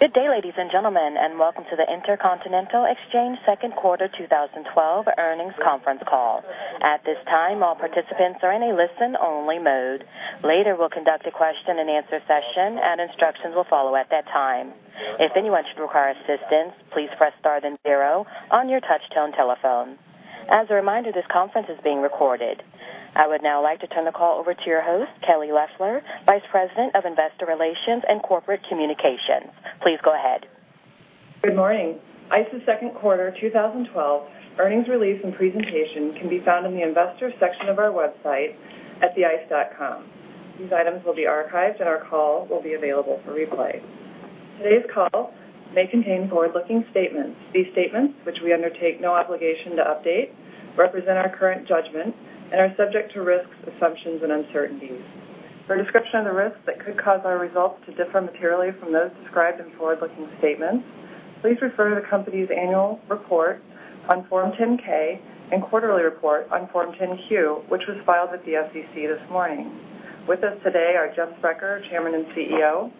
Good day, ladies and gentlemen, and welcome to the Intercontinental Exchange second quarter 2012 earnings conference call. At this time, all participants are in a listen-only mode. Later, we will conduct a question-and-answer session, and instructions will follow at that time. If anyone should require assistance, please press star then zero on your touch-tone telephone. As a reminder, this conference is being recorded. I would now like to turn the call over to your host, Kelly Loeffler, Vice President of Investor Relations and Corporate Communications. Please go ahead. Good morning. ICE's second quarter 2012 earnings release and presentation can be found in the Investors section of our website at theice.com. These items will be archived, and our call will be available for replay. Today's call may contain forward-looking statements. These statements, which we undertake no obligation to update, represent our current judgment and are subject to risks, assumptions, and uncertainties. For a description of the risks that could cause our results to differ materially from those described in forward-looking statements, please refer to the company's annual report on Form 10-K and quarterly report on Form 10-Q, which was filed with the SEC this morning. With us today are Jeff Sprecher, Chairman and CEO;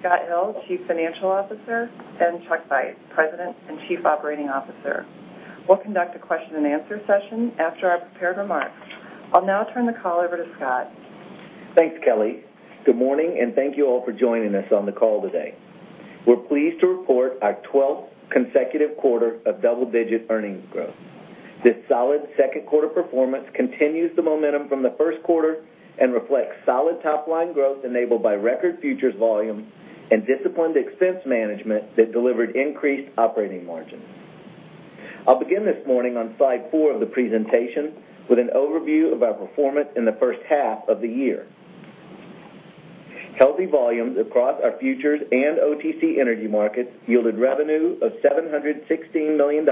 Scott Hill, Chief Financial Officer; and Chuck Vice, President and Chief Operating Officer. We will conduct a question-and-answer session after our prepared remarks. I will now turn the call over to Scott. Thanks, Kelly. Good morning, and thank you all for joining us on the call today. We are pleased to report our 12th consecutive quarter of double-digit earnings growth. This solid second quarter performance continues the momentum from the first quarter and reflects solid top-line growth enabled by record futures volume and disciplined expense management that delivered increased operating margins. I will begin this morning on slide four of the presentation with an overview of our performance in the first half of the year. Healthy volumes across our futures and OTC energy markets yielded revenue of $716 million,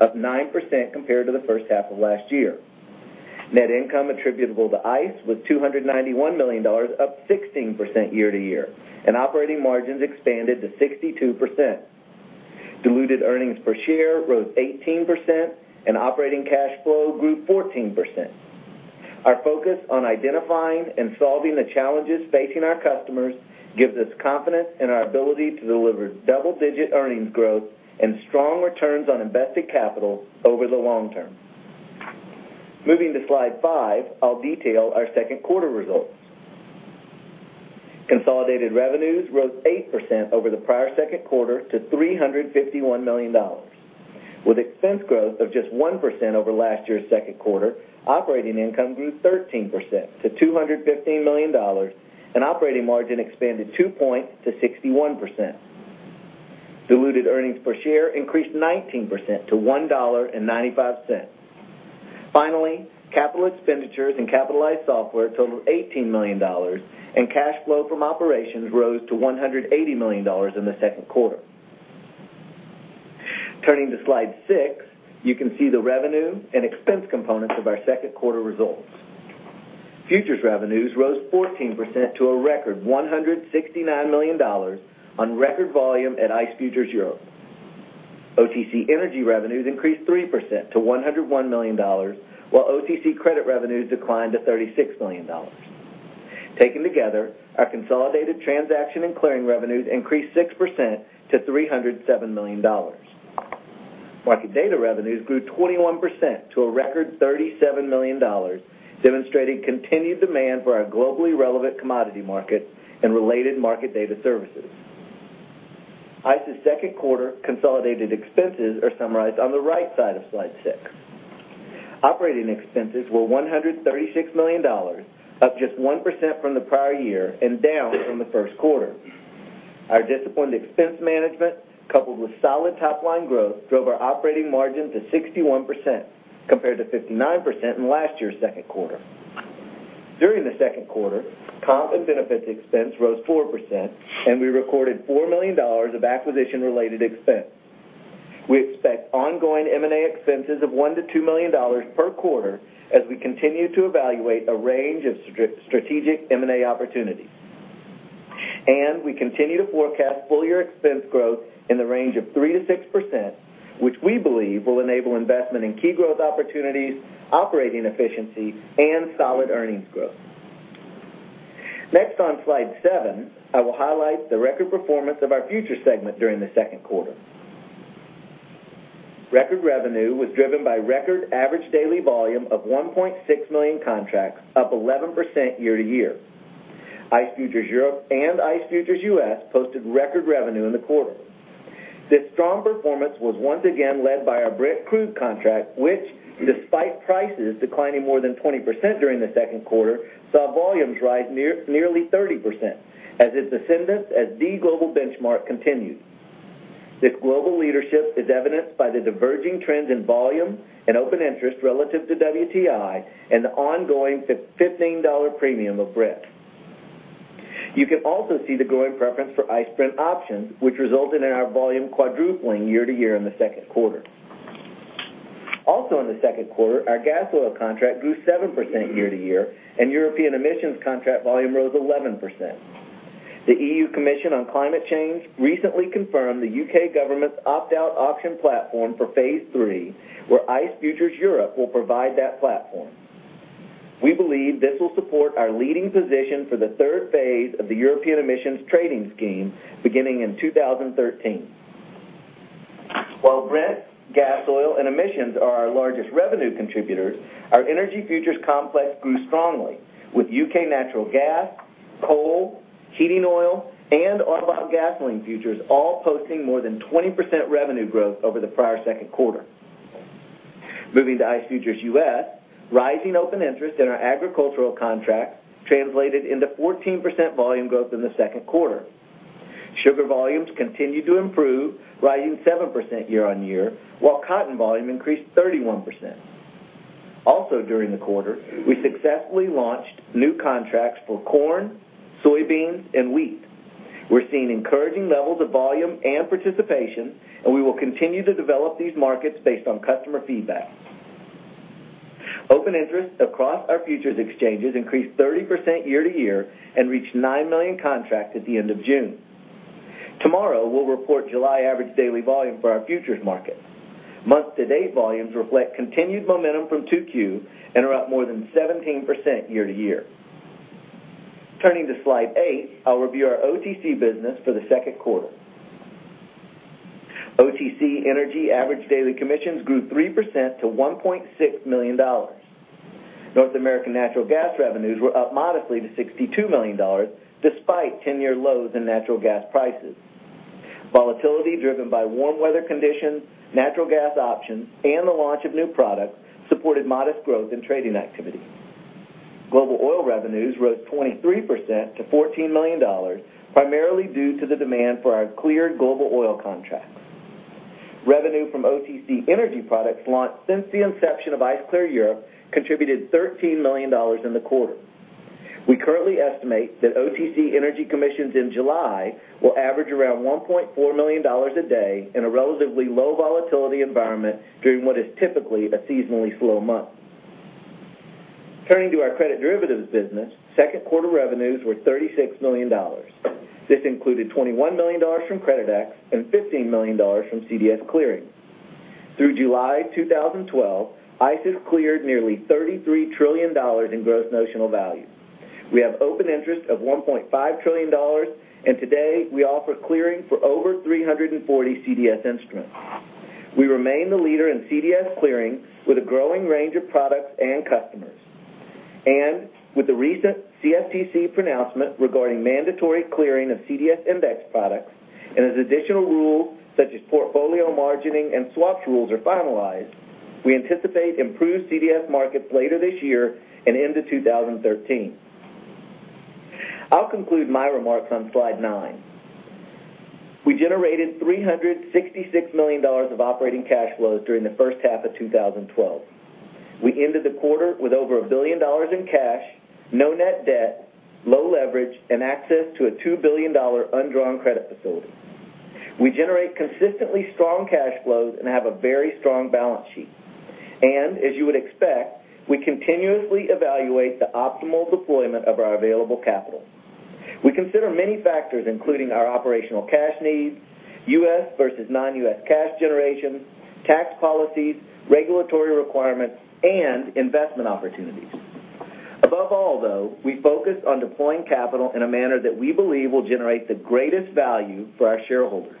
up 9% compared to the first half of last year. Net income attributable to ICE was $291 million, up 16% year-over-year, and operating margins expanded to 62%. Diluted earnings per share rose 18%, and operating cash flow grew 14%. Our focus on identifying and solving the challenges facing our customers gives us confidence in our ability to deliver double-digit earnings growth and strong returns on invested capital over the long term. Moving to slide five, I will detail our second quarter results. Consolidated revenues rose 8% over the prior second quarter to $351 million. With expense growth of just 1% over last year's second quarter, operating income grew 13% to $215 million, and operating margin expanded two points to 61%. Diluted earnings per share increased 19% to $1.95. Finally, capital expenditures and capitalized software totaled $18 million, and cash flow from operations rose to $180 million in the second quarter. Turning to slide six, you can see the revenue and expense components of our second quarter results. Futures revenues rose 14% to a record $169 million on record volume at ICE Futures Europe. OTC energy revenues increased 3% to $101 million, while OTC credit revenues declined to $36 million. Taken together, our consolidated transaction and clearing revenues increased 6% to $307 million. Market data revenues grew 21% to a record $37 million, demonstrating continued demand for our globally relevant commodity market and related market data services. ICE's second-quarter consolidated expenses are summarized on the right side of slide six. Operating expenses were $136 million, up just 1% from the prior year and down from the first quarter. Our disciplined expense management, coupled with solid top-line growth, drove our operating margin to 61%, compared to 59% in last year's second quarter. During the second quarter, comp and benefits expense rose 4%, and we recorded $4 million of acquisition-related expense. We expect ongoing M&A expenses of $1 million to $2 million per quarter as we continue to evaluate a range of strategic M&A opportunities. We continue to forecast full-year expense growth in the range of 3% to 6%, which we believe will enable investment in key growth opportunities, operating efficiency, and solid earnings growth. Next on slide seven, I will highlight the record performance of our futures segment during the second quarter. Record revenue was driven by record average daily volume of 1.6 million contracts, up 11% year to year. ICE Futures Europe and ICE Futures U.S. posted record revenue in the quarter. This strong performance was once again led by our Brent Crude contract, which, despite prices declining more than 20% during the second quarter, saw volumes rise nearly 30%, as its ascendance as the global benchmark continued. This global leadership is evidenced by the diverging trends in volume and open interest relative to WTI and the ongoing $15 premium of Brent. You can also see the growing preference for ICE Brent options, which resulted in our volume quadrupling year to year in the second quarter. Also in the second quarter, our gas oil contract grew 7% year to year, European emissions contract volume rose 11%. The EU Commission on Climate Change recently confirmed the U.K. government's opt-out auction platform for phase III, where ICE Futures Europe will provide that platform. We believe this will support our leading position for the third phase of the European Emissions Trading System beginning in 2013. While Brent, gas oil, and emissions are our largest revenue contributors, our energy futures complex grew strongly with U.K. natural gas, coal, heating oil, and automobile gasoline futures all posting more than 20% revenue growth over the prior second quarter. Moving to ICE Futures U.S., rising open interest in our agricultural contracts translated into 14% volume growth in the second quarter. Sugar volumes continued to improve, rising 7% year on year, while cotton volume increased 31%. Also during the quarter, we successfully launched new contracts for corn, soybeans, and wheat. We're seeing encouraging levels of volume and participation, we will continue to develop these markets based on customer feedback. Open interest across our futures exchanges increased 30% year to year and reached nine million contracts at the end of June. Tomorrow, we'll report July average daily volume for our futures market. Month to date volumes reflect continued momentum from 2Q and are up more than 17% year to year. Turning to slide eight, I'll review our OTC business for the second quarter. OTC energy average daily commissions grew 3% to $1.6 million. North American natural gas revenues were up modestly to $62 million, despite 10-year lows in natural gas prices. Volatility driven by warm weather conditions, natural gas options, and the launch of new products supported modest growth in trading activity. Global oil revenues rose 23% to $14 million, primarily due to the demand for our cleared global oil contracts. Revenue from OTC energy products launched since the inception of ICE Clear Europe contributed $13 million in the quarter. We currently estimate that OTC energy commissions in July will average around $1.4 million a day in a relatively low volatility environment during what is typically a seasonally slow month. Turning to our credit derivatives business, second quarter revenues were $36 million. This included $21 million from Creditex and $15 million from CDS Clearing. Through July 2012, ICE has cleared nearly $33 trillion in gross notional value. We have open interest of $1.5 trillion. Today, we offer clearing for over 340 CDS instruments. We remain the leader in CDS clearing with a growing range of products and customers. With the recent CFTC pronouncement regarding mandatory clearing of CDS index products, as additional rules such as portfolio margining and swaps rules are finalized, we anticipate improved CDS markets later this year and into 2013. I'll conclude my remarks on slide nine. We generated $366 million of operating cash flows during the first half of 2012. We ended the quarter with over $1 billion in cash, no net debt, low leverage, and access to a $2 billion undrawn credit facility. We generate consistently strong cash flows and have a very strong balance sheet. As you would expect, we continuously evaluate the optimal deployment of our available capital. We consider many factors, including our operational cash needs, U.S. versus non-U.S. cash generation, tax policies, regulatory requirements, and investment opportunities. Above all, though, we focus on deploying capital in a manner that we believe will generate the greatest value for our shareholders.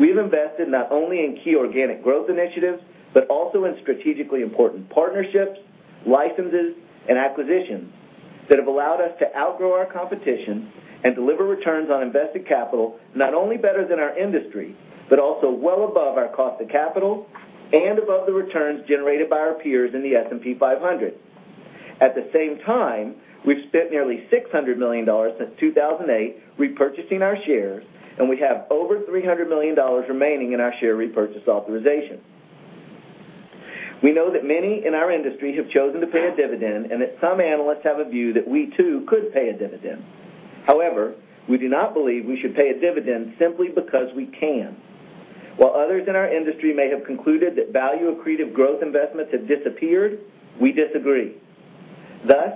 We've invested not only in key organic growth initiatives, but also in strategically important partnerships, licenses, and acquisitions that have allowed us to outgrow our competition and deliver returns on invested capital, not only better than our industry, but also well above our cost of capital and above the returns generated by our peers in the S&P 500. At the same time, we've spent nearly $600 million since 2008 repurchasing our shares, and we have over $300 million remaining in our share repurchase authorization. We know that many in our industry have chosen to pay a dividend. Some analysts have a view that we too could pay a dividend. However, we do not believe we should pay a dividend simply because we can. While others in our industry may have concluded that value accretive growth investments have disappeared, we disagree. Thus,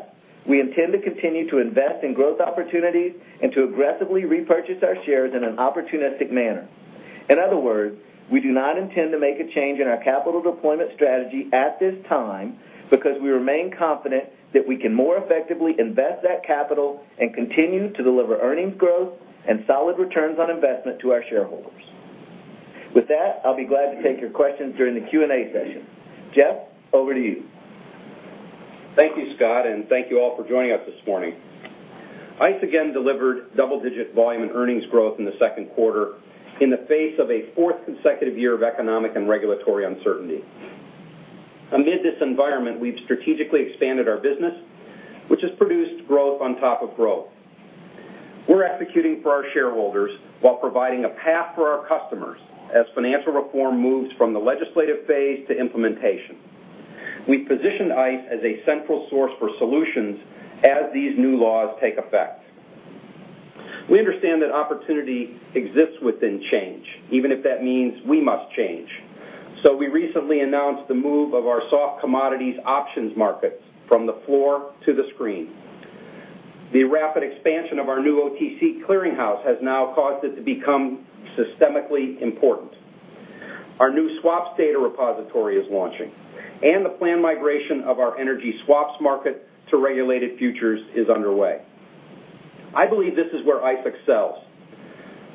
we intend to continue to invest in growth opportunities and to aggressively repurchase our shares in an opportunistic manner. In other words, we do not intend to make a change in our capital deployment strategy at this time because we remain confident that we can more effectively invest that capital and continue to deliver earnings growth and solid returns on investment to our shareholders. With that, I'll be glad to take your questions during the Q&A session. Jeff, over to you. Thank you, Scott, and thank you all for joining us this morning. ICE again delivered double-digit volume and earnings growth in the second quarter in the face of a fourth consecutive year of economic and regulatory uncertainty. Amid this environment, we've strategically expanded our business, which has produced growth on top of growth. We're executing for our shareholders while providing a path for our customers as financial reform moves from the legislative phase to implementation. We've positioned ICE as a central source for solutions as these new laws take effect. We understand that opportunity exists within change, even if that means we must change. We recently announced the move of our soft commodities options markets from the floor to the screen. The rapid expansion of our new OTC clearing house has now caused it to become systemically important. Our new swaps data repository is launching, and the planned migration of our energy swaps market to regulated futures is underway. I believe this is where ICE excels,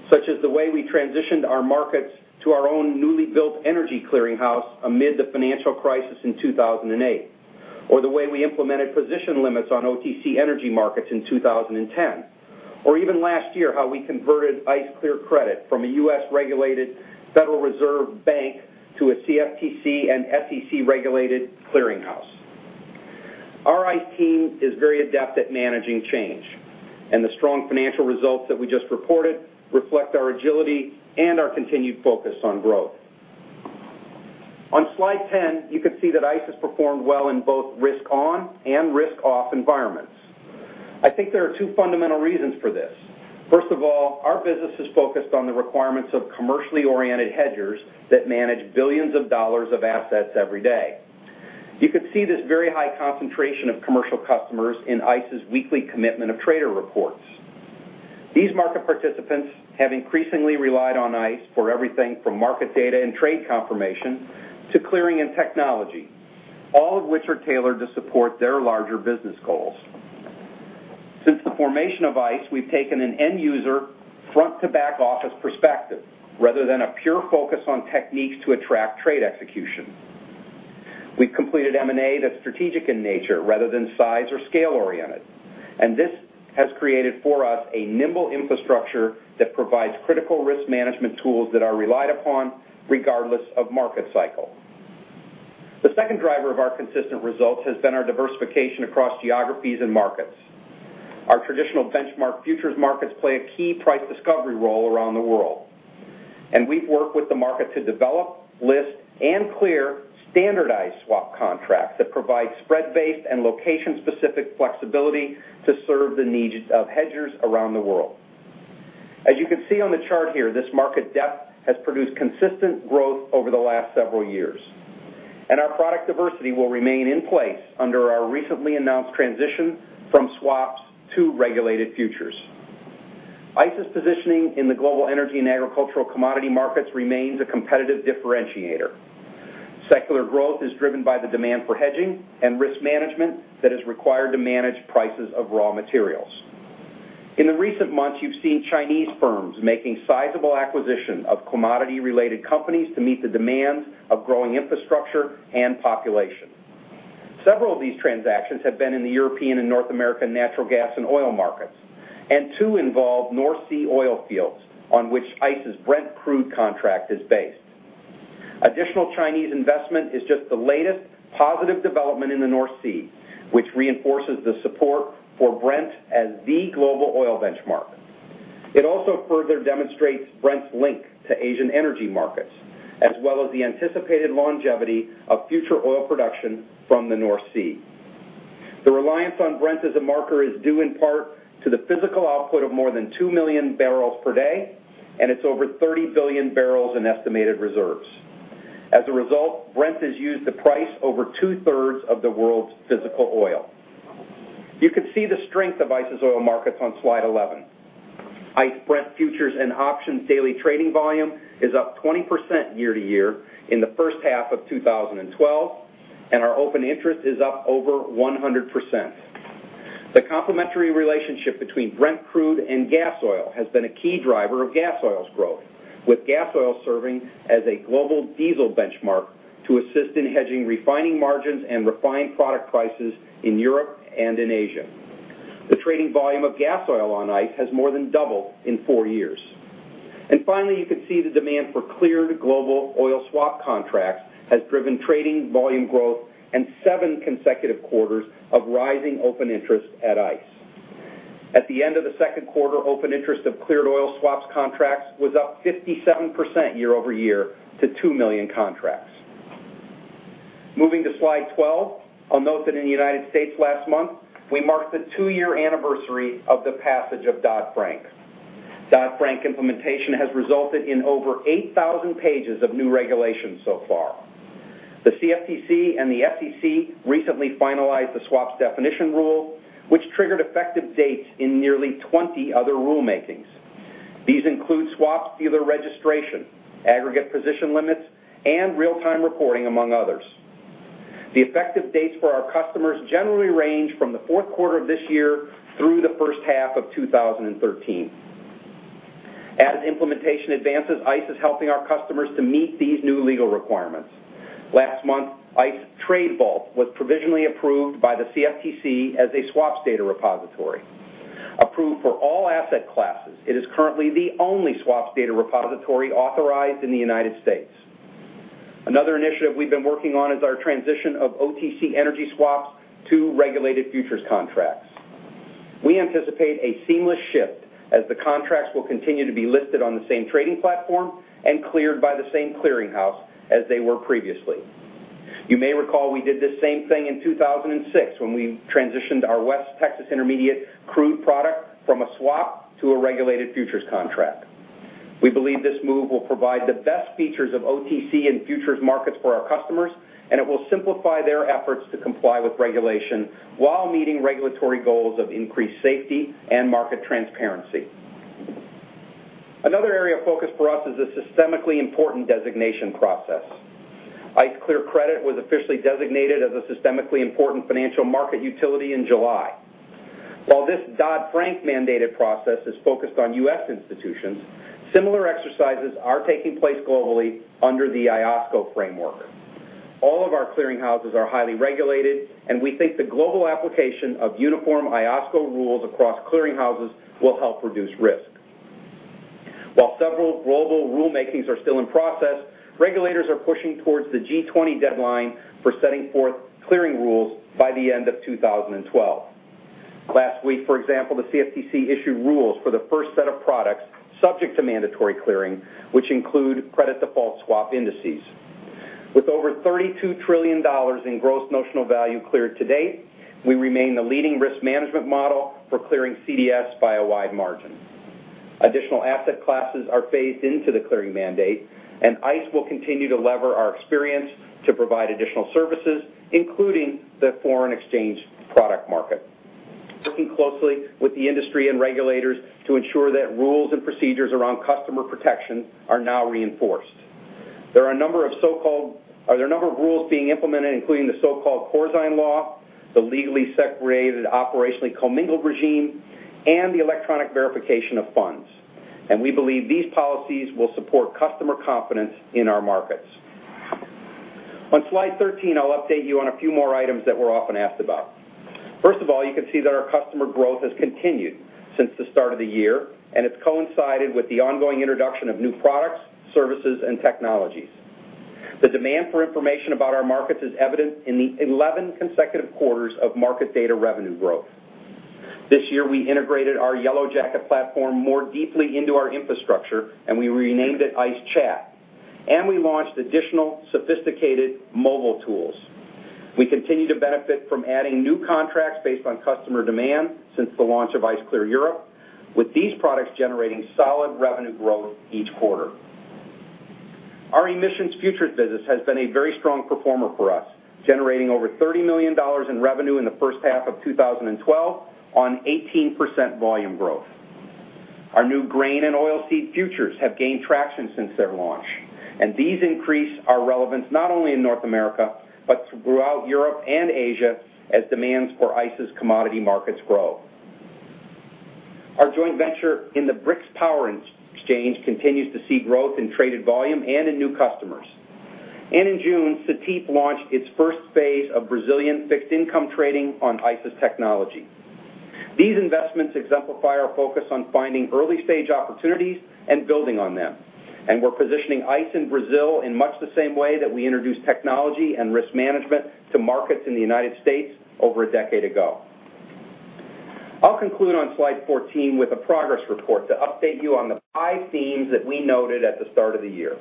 such as the way we transitioned our markets to our own newly built energy clearing house amid the financial crisis in 2008, or the way we implemented position limits on OTC energy markets in 2010, or even last year, how we converted ICE Clear Credit from a U.S. regulated Federal Reserve Bank to a CFTC and SEC regulated clearing house. Our IT team is very adept at managing change, and the strong financial results that we just reported reflect our agility and our continued focus on growth. On slide 10, you can see that ICE has performed well in both risk on and risk-off environments. I think there are two fundamental reasons for this. First of all, our business is focused on the requirements of commercially oriented hedgers that manage $billions of assets every day. You can see this very high concentration of commercial customers in ICE's weekly commitment of trader reports. These market participants have increasingly relied on ICE for everything from market data and trade confirmation to clearing and technology, all of which are tailored to support their larger business goals. Since the formation of ICE, we've taken an end-user, front-to-back office perspective rather than a pure focus on techniques to attract trade execution. We've completed M&A that's strategic in nature rather than size or scale-oriented, and this has created for us a nimble infrastructure that provides critical risk management tools that are relied upon regardless of market cycle. The second driver of our consistent results has been our diversification across geographies and markets. Our traditional benchmark futures markets play a key price discovery role around the world, and we've worked with the market to develop, list, and clear standardized swap contracts that provide spread-based and location-specific flexibility to serve the needs of hedgers around the world. As you can see on the chart here, this market depth has produced consistent growth over the last several years, and our product diversity will remain in place under our recently announced transition from swaps to regulated futures. ICE's positioning in the global energy and agricultural commodity markets remains a competitive differentiator. Secular growth is driven by the demand for hedging and risk management that is required to manage prices of raw materials. In the recent months, you've seen Chinese firms making sizable acquisition of commodity-related companies to meet the demands of growing infrastructure and population. Several of these transactions have been in the European and North American natural gas and oil markets, and two involve North Sea oil fields, on which ICE's Brent Crude contract is based. Additional Chinese investment is just the latest positive development in the North Sea, which reinforces the support for Brent as the global oil benchmark. It also further demonstrates Brent's link to Asian energy markets, as well as the anticipated longevity of future oil production from the North Sea. The reliance on Brent as a marker is due in part to the physical output of more than 2 million barrels per day, and its over 30 billion barrels in estimated reserves. As a result, Brent is used to price over two-thirds of the world's physical oil. You can see the strength of ICE's oil markets on slide 11. ICE Brent futures and options daily trading volume is up 20% year-over-year in the first half of 2012, and our open interest is up over 100%. The complementary relationship between Brent Crude and gas oil has been a key driver of gas oil's growth, with gas oil serving as a global diesel benchmark to assist in hedging refining margins and refined product prices in Europe and in Asia. The trading volume of gas oil on ICE has more than doubled in four years. Finally, you can see the demand for cleared global oil swap contracts has driven trading volume growth and 7 consecutive quarters of rising open interest at ICE. At the end of the second quarter, open interest of cleared oil swaps contracts was up 57% year-over-year to 2 million contracts. Moving to slide 12. I'll note that in the U.S. last month, we marked the 2-year anniversary of the passage of Dodd-Frank. Dodd-Frank implementation has resulted in over 8,000 pages of new regulations so far. The CFTC and the SEC recently finalized the swaps definition rule, which triggered effective dates in nearly 20 other rulemakings. These include swaps dealer registration, aggregate position limits, and real-time reporting, among others. The effective dates for our customers generally range from the fourth quarter of this year through the first half of 2013. As implementation advances, ICE is helping our customers to meet these new legal requirements. Last month, ICE Trade Vault was provisionally approved by the CFTC as a swaps data repository. Approved for all asset classes, it is currently the only swaps data repository authorized in the U.S. Another initiative we've been working on is our transition of OTC energy swaps to regulated futures contracts. We anticipate a seamless shift as the contracts will continue to be listed on the same trading platform and cleared by the same clearing house as they were previously. You may recall we did the same thing in 2006 when we transitioned our West Texas Intermediate crude product from a swap to a regulated futures contract. We believe this move will provide the best features of OTC and futures markets for our customers. It will simplify their efforts to comply with regulation while meeting regulatory goals of increased safety and market transparency. Another area of focus for us is the systemically important designation process. ICE Clear Credit was officially designated as a systemically important financial market utility in July. While this Dodd-Frank-mandated process is focused on U.S. institutions, similar exercises are taking place globally under the IOSCO framework. All of our clearing houses are highly regulated, and we think the global application of uniform IOSCO rules across clearing houses will help reduce risk. While several global rulemakings are still in process, regulators are pushing towards the G20 deadline for setting forth clearing rules by the end of 2012. Last week, for example, the CFTC issued rules for the first set of products subject to mandatory clearing, which include credit default swap indices. With over $32 trillion in gross notional value cleared to date, we remain the leading risk management model for clearing CDS by a wide margin. Additional asset classes are phased into the clearing mandate, ICE will continue to lever our experience to provide additional services, including the foreign exchange product market. Working closely with the industry and regulators to ensure that rules and procedures around customer protection are now reinforced. There are a number of rules being implemented, including the so-called Corzine rule, the legally separated, operationally commingled regime, and the electronic verification of funds. We believe these policies will support customer confidence in our markets. On slide 13, I'll update you on a few more items that we're often asked about. First of all, you can see that our customer growth has continued since the start of the year, and it's coincided with the ongoing introduction of new products, services, and technologies. The demand for information about our markets is evident in the 11 consecutive quarters of market data revenue growth. This year, we integrated our YellowJacket platform more deeply into our infrastructure, and we renamed it ICE Chat. We launched additional sophisticated mobile tools. We continue to benefit from adding new contracts based on customer demand since the launch of ICE Clear Europe, with these products generating solid revenue growth each quarter. Our emissions futures business has been a very strong performer for us, generating over $30 million in revenue in the first half of 2012 on 18% volume growth. Our new grain and oilseed futures have gained traction since their launch, and these increase our relevance not only in North America, but throughout Europe and Asia as demands for ICE's commodity markets grow. Our joint venture in the BRIX Power exchange continues to see growth in traded volume and in new customers. In June, Cetip launched its 1 phase of Brazilian fixed income trading on ICE's technology. These investments exemplify our focus on finding early-stage opportunities and building on them. We're positioning ICE in Brazil in much the same way that we introduced technology and risk management to markets in the U.S. over a decade ago. I'll conclude on slide 14 with a progress report to update you on the five themes that we noted at the start of the year.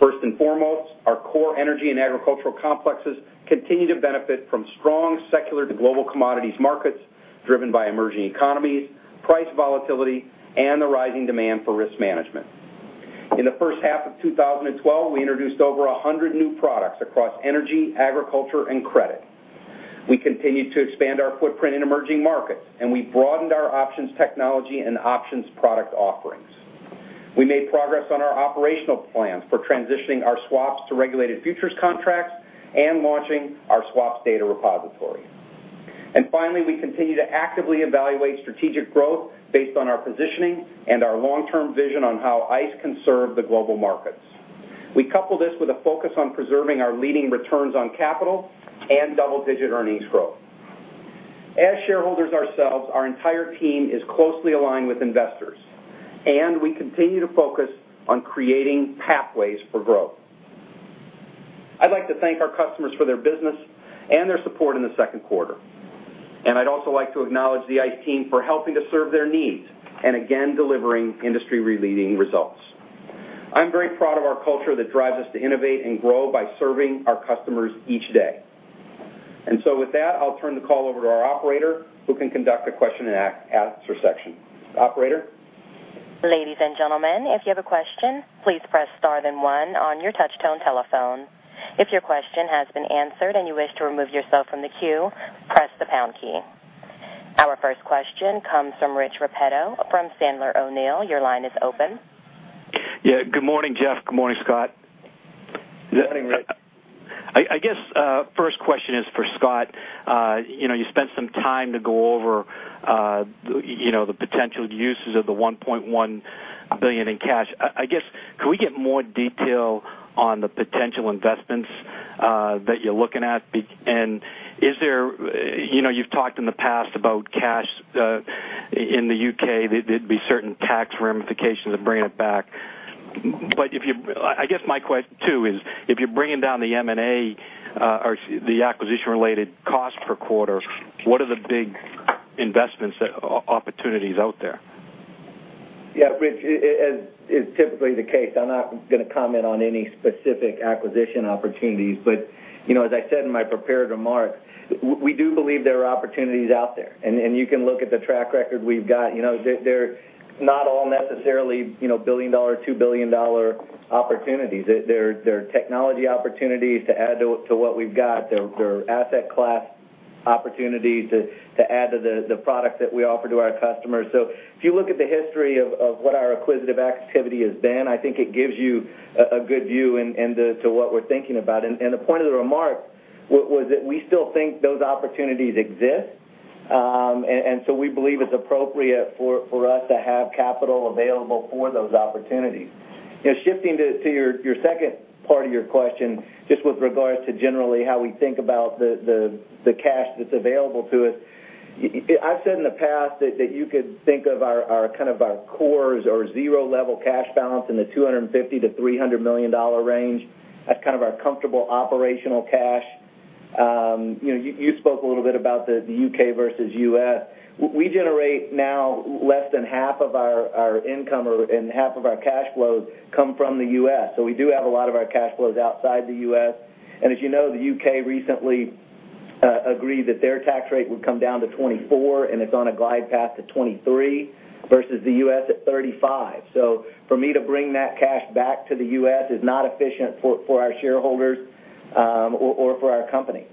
First and foremost, our core energy and agricultural complexes continue to benefit from strong secular to global commodities markets driven by emerging economies, price volatility, and the rising demand for risk management. In the first half of 2012, we introduced over 100 new products across energy, agriculture, and credit. We continued to expand our footprint in emerging markets. We broadened our options technology and options product offerings. We made progress on our operational plans for transitioning our swaps to regulated futures contracts and launching our swaps data repository. Finally, we continue to actively evaluate strategic growth based on our positioning and our long-term vision on how ICE can serve the global markets. We couple this with a focus on preserving our leading returns on capital and double-digit earnings growth. As shareholders ourselves, our entire team is closely aligned with investors, and we continue to focus on creating pathways for growth. I'd like to thank our customers for their business and their support in the second quarter. I'd also like to acknowledge the ICE team for helping to serve their needs and again, delivering industry-leading results. I'm very proud of our culture that drives us to innovate and grow by serving our customers each day. With that, I'll turn the call over to our operator who can conduct a question and answer section. Operator? Ladies and gentlemen, if you have a question, please press star then 1 on your touch-tone telephone. If your question has been answered and you wish to remove yourself from the queue, press the pound key. Our first question comes from Rich Repetto from Sandler O'Neill. Your line is open. Yeah. Good morning, Jeff. Good morning, Scott. Good morning, Rich. I guess, first question is for Scott. You spent some time to go over the potential uses of the $1.1 billion in cash. I guess, could we get more detail on the potential investments that you're looking at? You've talked in the past about cash in the U.K., there'd be certain tax ramifications of bringing it back. I guess my question, too, is if you're bringing down the M&A or the acquisition-related cost per quarter, what are the big investment opportunities out there? Yeah, Rich, as is typically the case, I'm not going to comment on any specific acquisition opportunities. As I said in my prepared remarks, we do believe there are opportunities out there, and you can look at the track record we've got. They're not all necessarily billion-dollar, $2 billion opportunities. They're technology opportunities to add to what we've got. They're asset class opportunities to add to the products that we offer to our customers. If you look at the history of what our acquisitive activity has been, I think it gives you a good view into what we're thinking about. The point of the remark was that we still think those opportunities exist, and we believe it's appropriate for us to have capital available for those opportunities. Shifting to your second part of your question, just with regards to generally how we think about the cash that's available to us. I've said in the past that you could think of our cores, our zero level cash balance in the $250 to $300 million range. That's kind of our comfortable operational cash. You spoke a little bit about the U.K. versus U.S. We generate now less than half of our income or half of our cash flows come from the U.S., so we do have a lot of our cash flows outside the U.S. As you know, the U.K. recently agreed that their tax rate would come down to 24, and it's on a glide path to 23 versus the U.S. at 35. For me to bring that cash back to the U.S. is not efficient for our shareholders or for our company.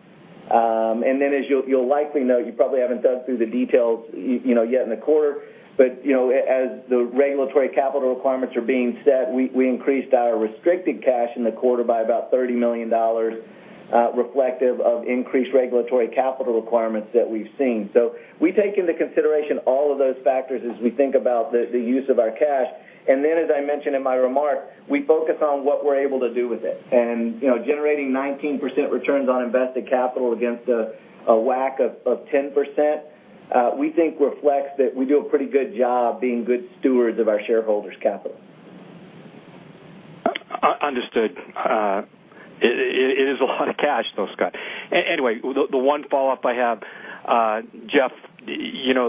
As you'll likely know, you probably haven't dug through the details yet in the quarter, but as the regulatory capital requirements are being set, we increased our restricted cash in the quarter by about $30 million, reflective of increased regulatory capital requirements that we've seen. We take into consideration all of those factors as we think about the use of our cash. Then, as I mentioned in my remarks, we focus on what we're able to do with it. Generating 19% returns on invested capital against a WACC of 10%, we think reflects that we do a pretty good job being good stewards of our shareholders' capital. Understood. It is a lot of cash though, Scott Hill. The one follow-up I have, Jeff Sprecher,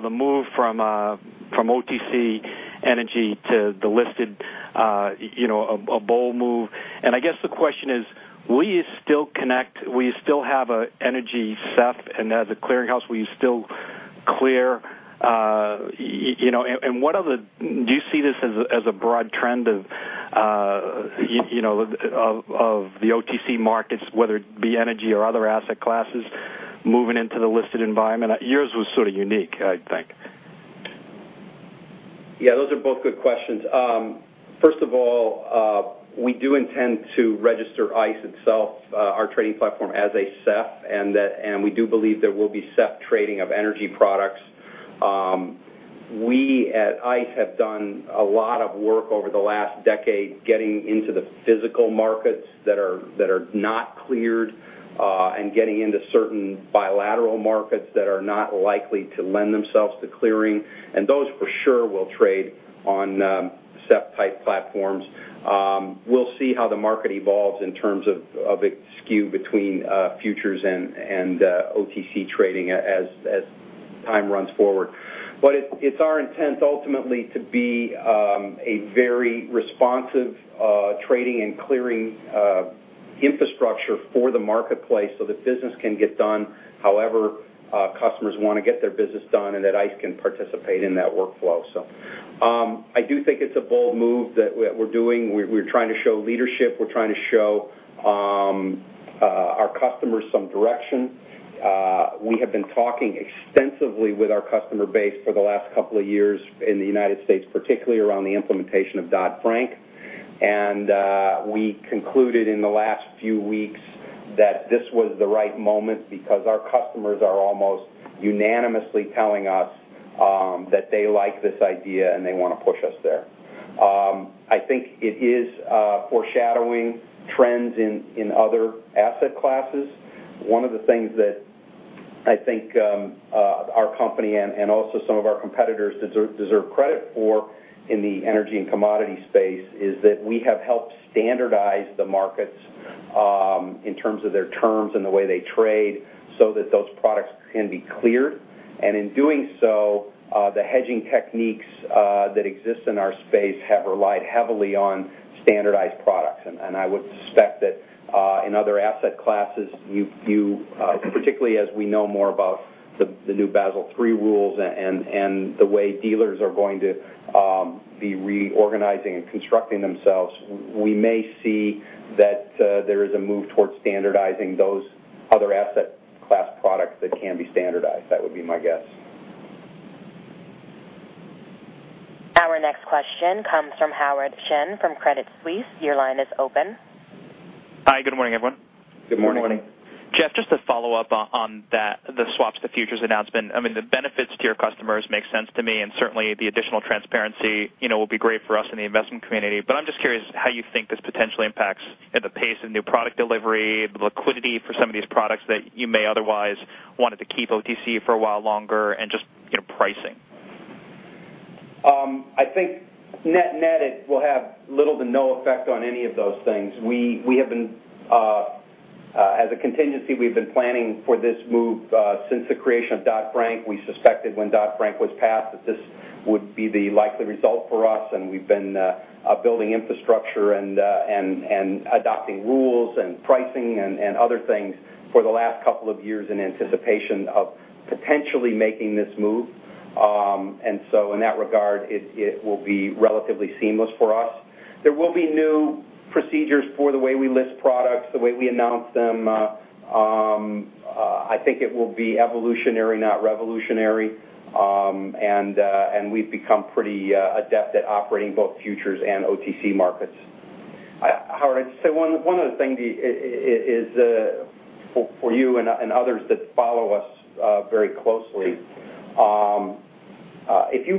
the move from OTC energy to the listed, a bold move, and I guess the question is, will you still connect? Will you still have an energy SEF? As a clearing house, will you still clear? Do you see this as a broad trend of the OTC markets, whether it be energy or other asset classes, moving into the listed environment? Yours was sort of unique, I think. First of all, we do intend to register ICE itself, our trading platform, as a SEF, and we do believe there will be SEF trading of energy products. We at ICE have done a lot of work over the last decade getting into the physical markets that are not cleared and getting into certain bilateral markets that are not likely to lend themselves to clearing, and those for sure will trade on SEF-type platforms. We will see how the market evolves in terms of its skew between futures and OTC trading as time runs forward. It is our intent ultimately to be a very responsive trading and clearing infrastructure for the marketplace so that business can get done however customers want to get their business done, and that ICE can participate in that workflow. I do think it is a bold move that we are doing. We are trying to show leadership. We are trying to show our customers some direction. We have been talking extensively with our customer base for the last couple of years in the United States, particularly around the implementation of Dodd-Frank. We concluded in the last few weeks that this was the right moment because our customers are almost unanimously telling us that they like this idea and they want to push us there. I think it is foreshadowing trends in other asset classes. One of the things that I think our company and also some of our competitors deserve credit for in the energy and commodity space is that we have helped standardize the markets in terms of their terms and the way they trade so that those products can be cleared. In doing so, the hedging techniques that exist in our space have relied heavily on standardized products. I would suspect that in other asset classes, particularly as we know more about the new Basel III rules and the way dealers are going to be reorganizing and constructing themselves, we may see that there is a move towards standardizing those other asset class products that can be standardized. That would be my guess. Our next question comes from Howard Chen from Credit Suisse. Your line is open. Hi, good morning, everyone. Good morning. Good morning. Jeff, just to follow up on that, the swaps to futures announcement. The benefits to your customers make sense to me, and certainly the additional transparency will be great for us in the investment community. I'm just curious how you think this potentially impacts the pace of new product delivery, the liquidity for some of these products that you may otherwise wanted to keep OTC for a while longer, and just pricing. I think net-net, it will have little to no effect on any of those things. As a contingency, we've been planning for this move since the creation of Dodd-Frank. We suspected when Dodd-Frank was passed that this would be the likely result for us, and we've been building infrastructure and adopting rules and pricing and other things for the last couple of years in anticipation of potentially making this move. So in that regard, it will be relatively seamless for us. There will be new procedures for the way we list products, the way we announce them. I think it will be evolutionary, not revolutionary. We've become pretty adept at operating both futures and OTC markets. Howard, I'd say one other thing is for you and others that follow us very closely. If you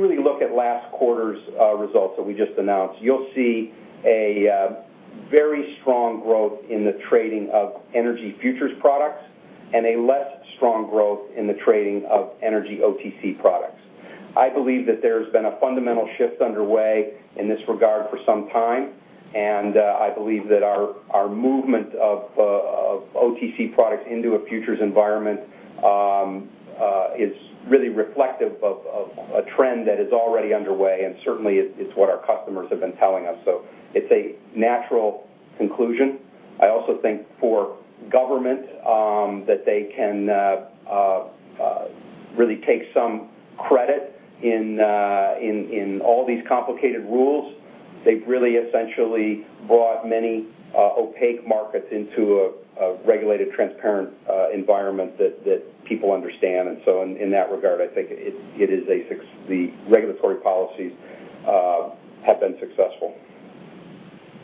really look at last quarter's results that we just announced, you'll see a very strong growth in the trading of energy futures products and a less strong growth in the trading of energy OTC products. I believe that there's been a fundamental shift underway in this regard for some time, and I believe that our movement of OTC products into a futures environment is really reflective of a trend that is already underway, and certainly it's what our customers have been telling us. So it's a natural conclusion. I also think for government, that they can really take some credit in all these complicated rules. They've really essentially brought many opaque markets into a regulated, transparent environment that people understand. So in that regard, I think the regulatory policies have been successful.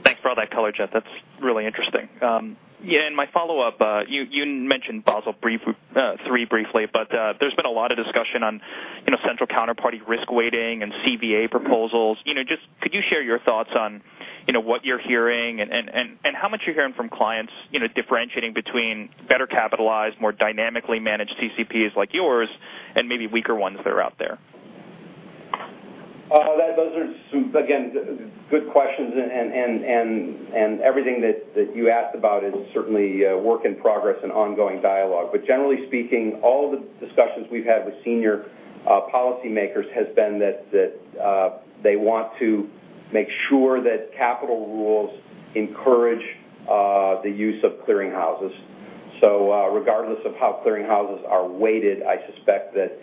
Thanks for all that color, Jeff. That's really interesting. Yeah, and my follow-up, you mentioned Basel III briefly, but there's been a lot of discussion on central counterparty risk weighting and CVA proposals. Just could you share your thoughts on what you're hearing and how much you're hearing from clients differentiating between better capitalized, more dynamically managed CCPs like yours and maybe weaker ones that are out there? Those are, again, good questions, everything that you asked about is certainly a work in progress and ongoing dialogue. Generally speaking, all the discussions we've had with senior policymakers has been that they want to make sure that capital rules encourage the use of clearing houses. Regardless of how clearing houses are weighted, I suspect that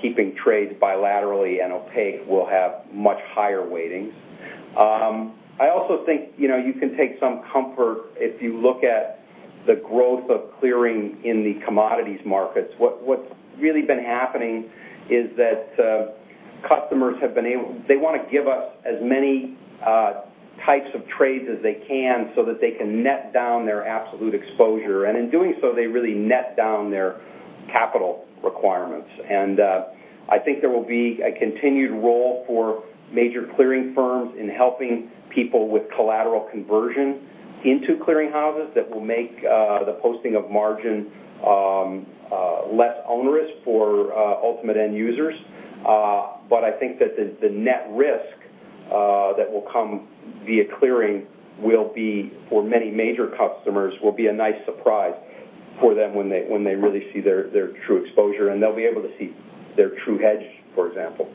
keeping trades bilaterally and opaque will have much higher weightings. I also think you can take some comfort if you look at the growth of clearing in the commodities markets. What's really been happening is that customers want to give us as many types of trades as they can so that they can net down their absolute exposure, and in doing so, they really net down their capital requirements. I think there will be a continued role for major clearing firms in helping people with collateral conversion into clearing houses that will make the posting of margin less onerous for ultimate end users. I think that the net risk that will come via clearing for many major customers will be a nice surprise for them when they really see their true exposure, and they'll be able to see their true hedge, for example.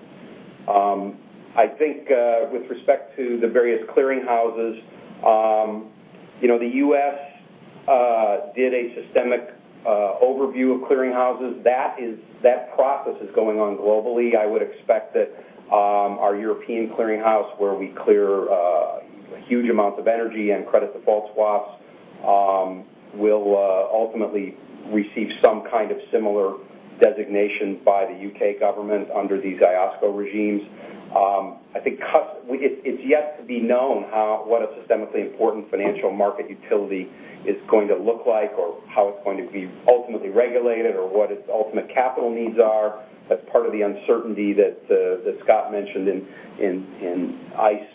I think with respect to the various clearing houses, the U.S. did a systemic overview of clearing houses. That process is going on globally. I would expect that our European clearing house, where we clear huge amounts of energy and credit default swaps, will ultimately receive some kind of similar designation by the U.K. government under these IOSCO regimes. It's yet to be known what a systemically important financial market utility is going to look like or how it's going to be ultimately regulated or what its ultimate capital needs are. That's part of the uncertainty that Scott mentioned in ICE,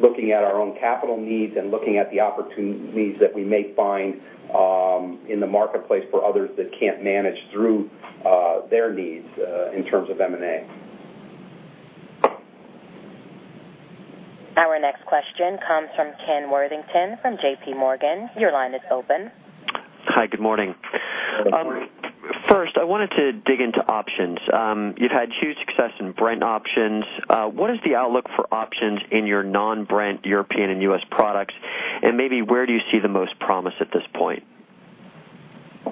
looking at our own capital needs and looking at the opportunities that we may find in the marketplace for others that can't manage through their needs in terms of M&A. Our next question comes from Ken Worthington from JPMorgan. Your line is open. Hi, good morning. Good morning. First, I wanted to dig into options. You've had huge success in Brent options. What is the outlook for options in your non-Brent European and U.S. products? Maybe where do you see the most promise at this point?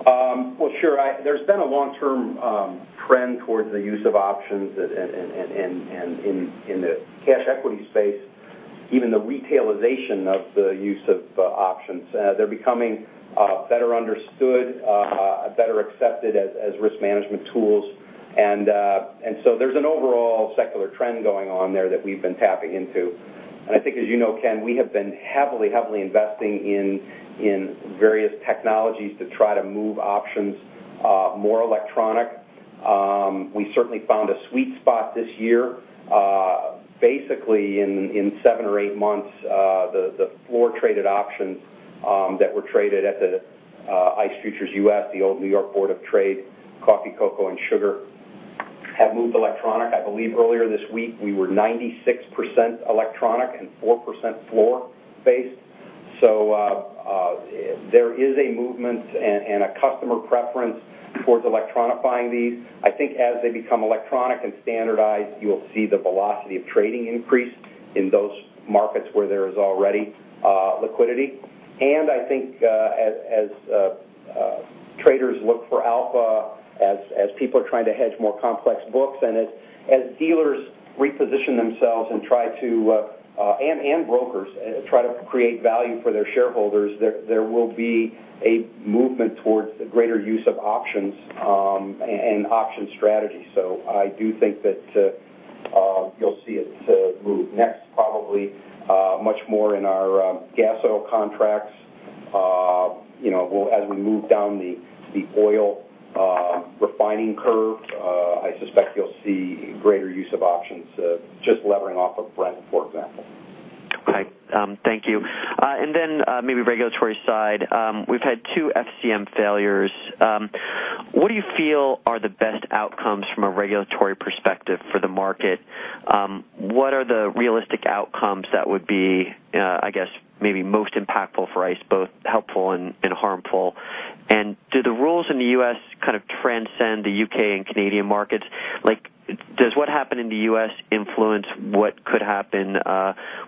Well, sure. There's been a long-term trend towards the use of options in the cash equity space, even the retailization of the use of options. They're becoming better understood, better accepted as risk management tools. There's an overall secular trend going on there that we've been tapping into. I think, as you know, Ken, we have been heavily investing in various technologies to try to move options more electronic. We certainly found a sweet spot this year. Basically, in seven or eight months, the floor-traded options that were traded at the ICE Futures U.S., the old New York Board of Trade, coffee, cocoa, and sugar have moved electronic. I believe earlier this week we were 96% electronic and 4% floor based. There is a movement and a customer preference towards electronifying these. I think as they become electronic and standardized, you will see the velocity of trading increase in those markets where there is already liquidity. I think as traders look for alpha, as people are trying to hedge more complex books, and as dealers reposition themselves and brokers try to create value for their shareholders, there will be a movement towards a greater use of options and option strategies. I do think that you'll see it move next, probably much more in our gas oil contracts. As we move down the oil refining curve, I suspect you'll see greater use of options, just levering off of Brent, for example. Okay. Thank you. Then maybe regulatory side. We've had two FCM failures. What do you feel are the best outcomes from a regulatory perspective for the market? What are the realistic outcomes that would be maybe most impactful for ICE, both helpful and harmful? Do the rules in the U.S. kind of transcend the U.K. and Canadian markets? Does what happen in the U.S. influence what could happen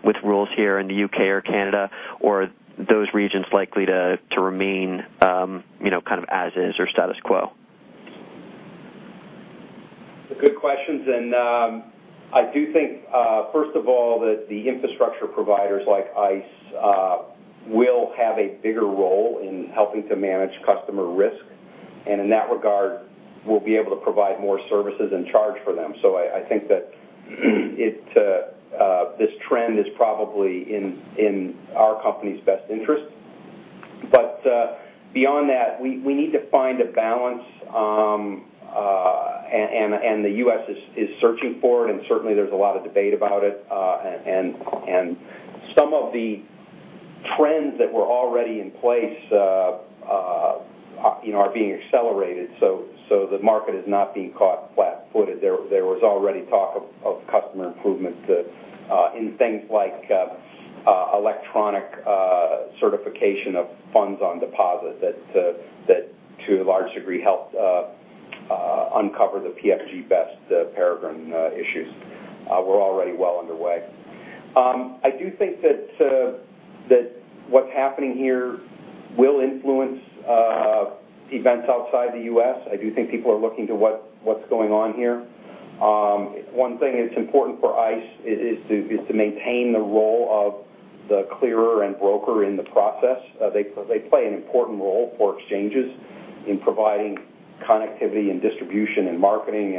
with rules here in the U.K. or Canada, or are those regions likely to remain as is or status quo? Good questions. I do think, first of all, that the infrastructure providers like ICE will have a bigger role in helping to manage customer risk. In that regard, we'll be able to provide more services and charge for them. I think that this trend is probably in our company's best interest. Beyond that, we need to find a balance, and the U.S. is searching for it, and certainly there's a lot of debate about it. Some of the trends that were already in place are being accelerated. The market is not being caught flat-footed. There was already talk of customer improvements in things like electronic certification of funds on deposit that to a large degree helped uncover the Peregrine Financial Group issues were already well underway. I do think that what's happening here will influence events outside the U.S. I do think people are looking to what's going on here. One thing that's important for ICE is to maintain the role of the clearer and broker in the process. They play an important role for exchanges in providing connectivity and distribution and marketing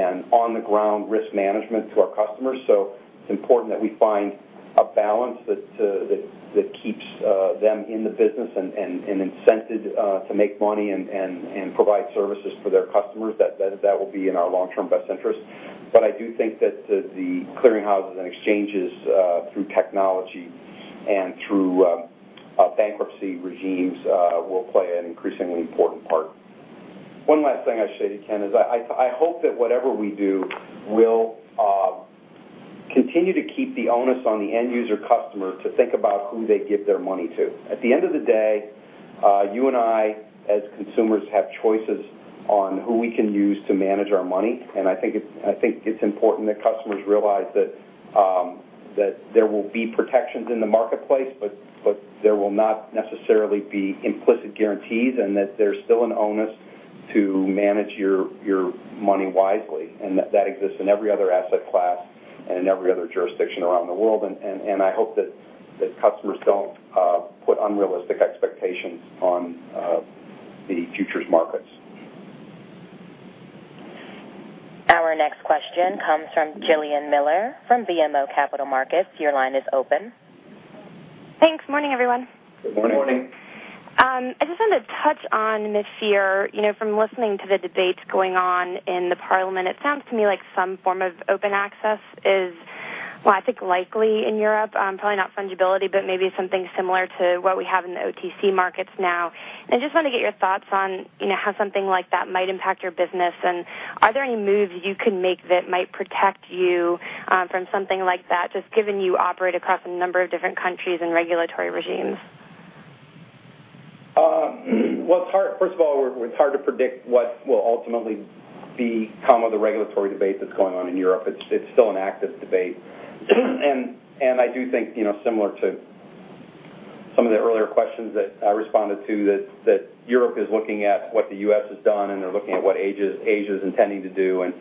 and on-the-ground risk management to our customers. It's important that we find a balance that keeps them in the business and incented to make money and provide services for their customers. That will be in our long-term best interest. I do think that the clearing houses and exchanges through technology and through bankruptcy regimes will play an increasingly important part. One last thing I'll say to Ken is I hope that whatever we do will continue to keep the onus on the end user customer to think about who they give their money to. At the end of the day, you and I, as consumers, have choices on who we can use to manage our money, and I think it's important that customers realize that there will be protections in the marketplace, but there will not necessarily be implicit guarantees and that there's still an onus to manage your money wisely, and that exists in every other asset class and in every other jurisdiction around the world. I hope that customers don't put unrealistic expectations on the futures markets. Our next question comes from Jillian Miller from BMO Capital Markets. Your line is open. Thanks. Morning, everyone. Good morning. Morning. I just wanted to touch on this year. From listening to the debates going on in the parliament, it sounds to me like some form of open access is, well, I think likely in Europe. Probably not fungibility, but maybe something similar to what we have in the OTC markets now. I just want to get your thoughts on how something like that might impact your business, and are there any moves you can make that might protect you from something like that, just given you operate across a number of different countries and regulatory regimes? Well, first of all, it's hard to predict what will ultimately become of the regulatory debate that's going on in Europe. It's still an active debate. I do think, similar to some of the earlier questions that I responded to, that Europe is looking at what the U.S. has done and they're looking at what Asia is intending to do, and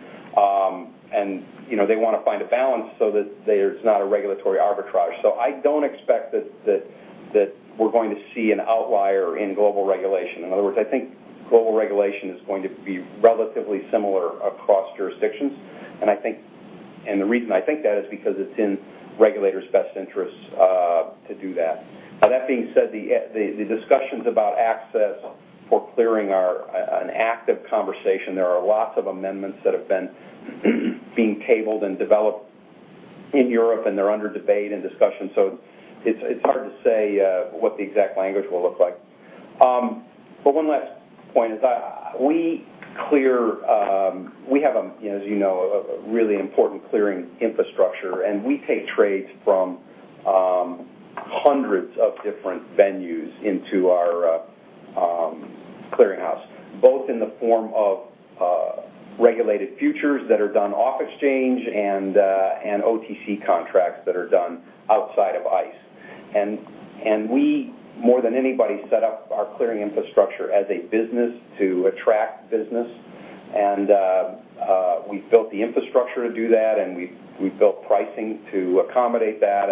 they want to find a balance so that there's not a regulatory arbitrage. I don't expect that we're going to see an outlier in global regulation. In other words, I think global regulation is going to be relatively similar across jurisdictions. The reason I think that is because it's in regulators' best interests to do that. That being said, the discussions about access for clearing are an active conversation. There are lots of amendments that have been being tabled and developed in Europe and they're under debate and discussion, so it's hard to say what the exact language will look like. One last point is we have, as you know, a really important clearing infrastructure, and we take trades from hundreds of different venues into our clearinghouse, both in the form of regulated futures that are done off exchange and OTC contracts that are done outside of ICE. We, more than anybody, set up our clearing infrastructure as a business to attract business, and we've built the infrastructure to do that, and we've built pricing to accommodate that.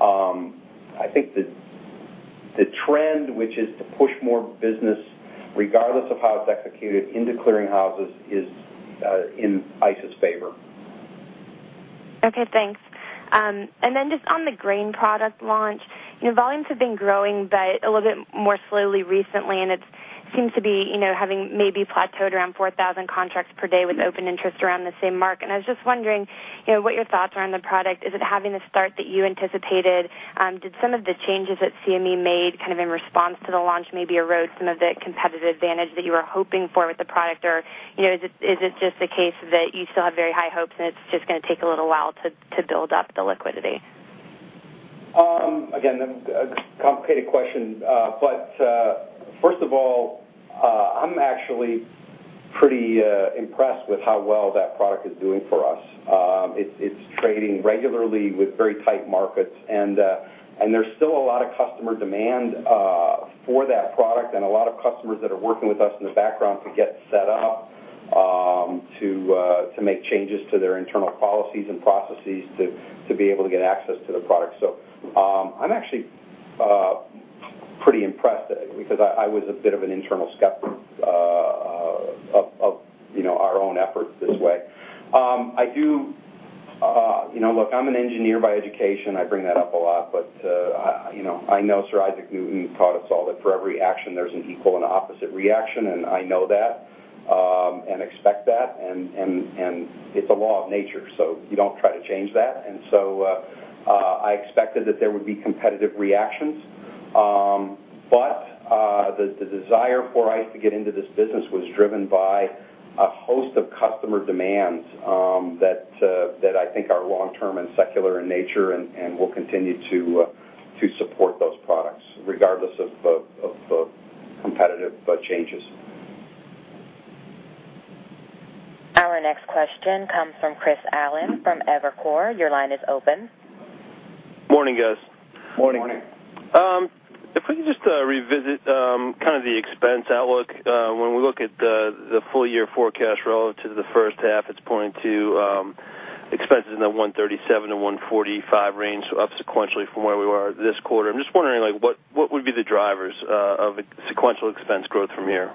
I think the trend, which is to push more business, regardless of how it's executed into clearing houses, is in ICE's favor. Okay, thanks. Just on the grain product launch, volumes have been growing but a little bit more slowly recently, and it seems to be having maybe plateaued around 4,000 contracts per day with open interest around the same mark. I was just wondering, what your thoughts are on the product. Is it having the start that you anticipated? Did some of the changes that CME made kind of in response to the launch maybe erode some of the competitive advantage that you were hoping for with the product? Is it just the case that you still have very high hopes and it's just going to take a little while to build up the liquidity? Again, a complicated question. First of all, I'm actually pretty impressed with how well that product is doing for us. It's trading regularly with very tight markets, and there's still a lot of customer demand for that product and a lot of customers that are working with us in the background to get set up to make changes to their internal policies and processes to be able to get access to the product. I'm actually pretty impressed because I was a bit of an internal skeptic of our own efforts this way. Look, I'm an engineer by education. I bring that up a lot. I know Sir Isaac Newton taught us all that for every action, there's an equal and opposite reaction, and I know that, and expect that, and it's a law of nature. You don't try to change that. I expected that there would be competitive reactions. The desire for ICE to get into this business was driven by a host of customer demands, that I think are long-term and secular in nature and will continue to support those products regardless of the competitive changes. Our next question comes from Chris Allen from Evercore. Your line is open. Morning, guys. Morning. If we can just revisit kind of the expense outlook. When we look at the full-year forecast relative to the first half, it's pointing to expenses in the $137-$145 range, so up sequentially from where we were this quarter. I'm just wondering, what would be the drivers of sequential expense growth from here?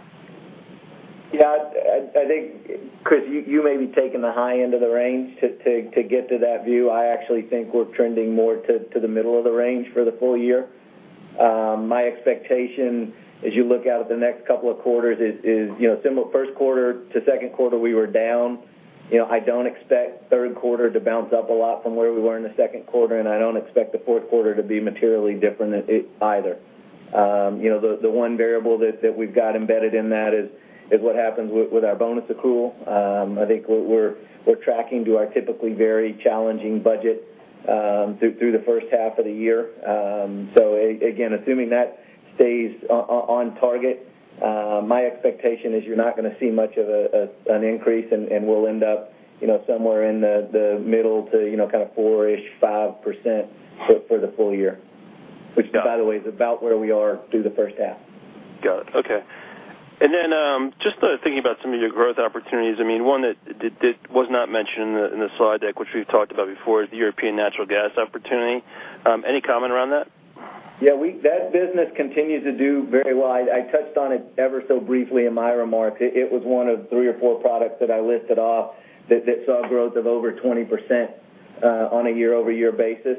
Yeah, I think, Chris, you may be taking the high end of the range to get to that view. I actually think we're trending more to the middle of the range for the full year. My expectation as you look out at the next couple of quarters is similar first quarter to second quarter, we were down. I don't expect third quarter to bounce up a lot from where we were in the second quarter, and I don't expect the fourth quarter to be materially different either. The one variable that we've got embedded in that is what happens with our bonus accrual. I think we're tracking to our typically very challenging budget through the first half of the year. Again, assuming that stays on target, my expectation is you're not going to see much of an increase and we'll end up somewhere in the middle to kind of four-ish, 5% for the full year, which by the way, is about where we are through the first half. Got it. Okay. Then, just thinking about some of your growth opportunities. One that was not mentioned in the slide deck, which we've talked about before, is the European natural gas opportunity. Any comment around that? Yeah, that business continues to do very well. I touched on it ever so briefly in my remarks. It was one of three or four products that I listed off that saw growth of over 20% on a year-over-year basis.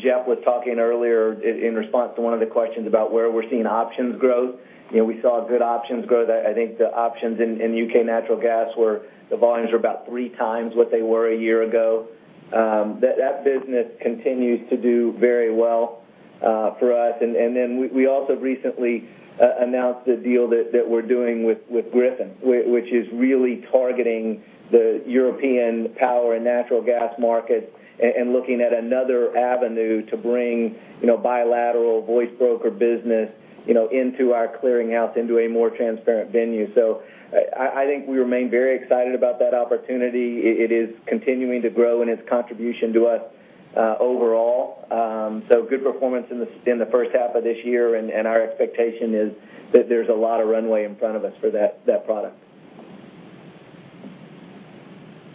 Jeff was talking earlier in response to one of the questions about where we're seeing options growth. We saw good options growth. I think the options in U.K. natural gas were the volumes were about three times what they were a year ago. That business continues to do very well for us. We also recently announced a deal that we're doing with GFI Group, which is really targeting the European power and natural gas market and looking at another avenue to bring bilateral voice broker business into our clearinghouse, into a more transparent venue. I think we remain very excited about that opportunity. It is continuing to grow in its contribution to us overall. Good performance in the first half of this year, our expectation is that there's a lot of runway in front of us for that product.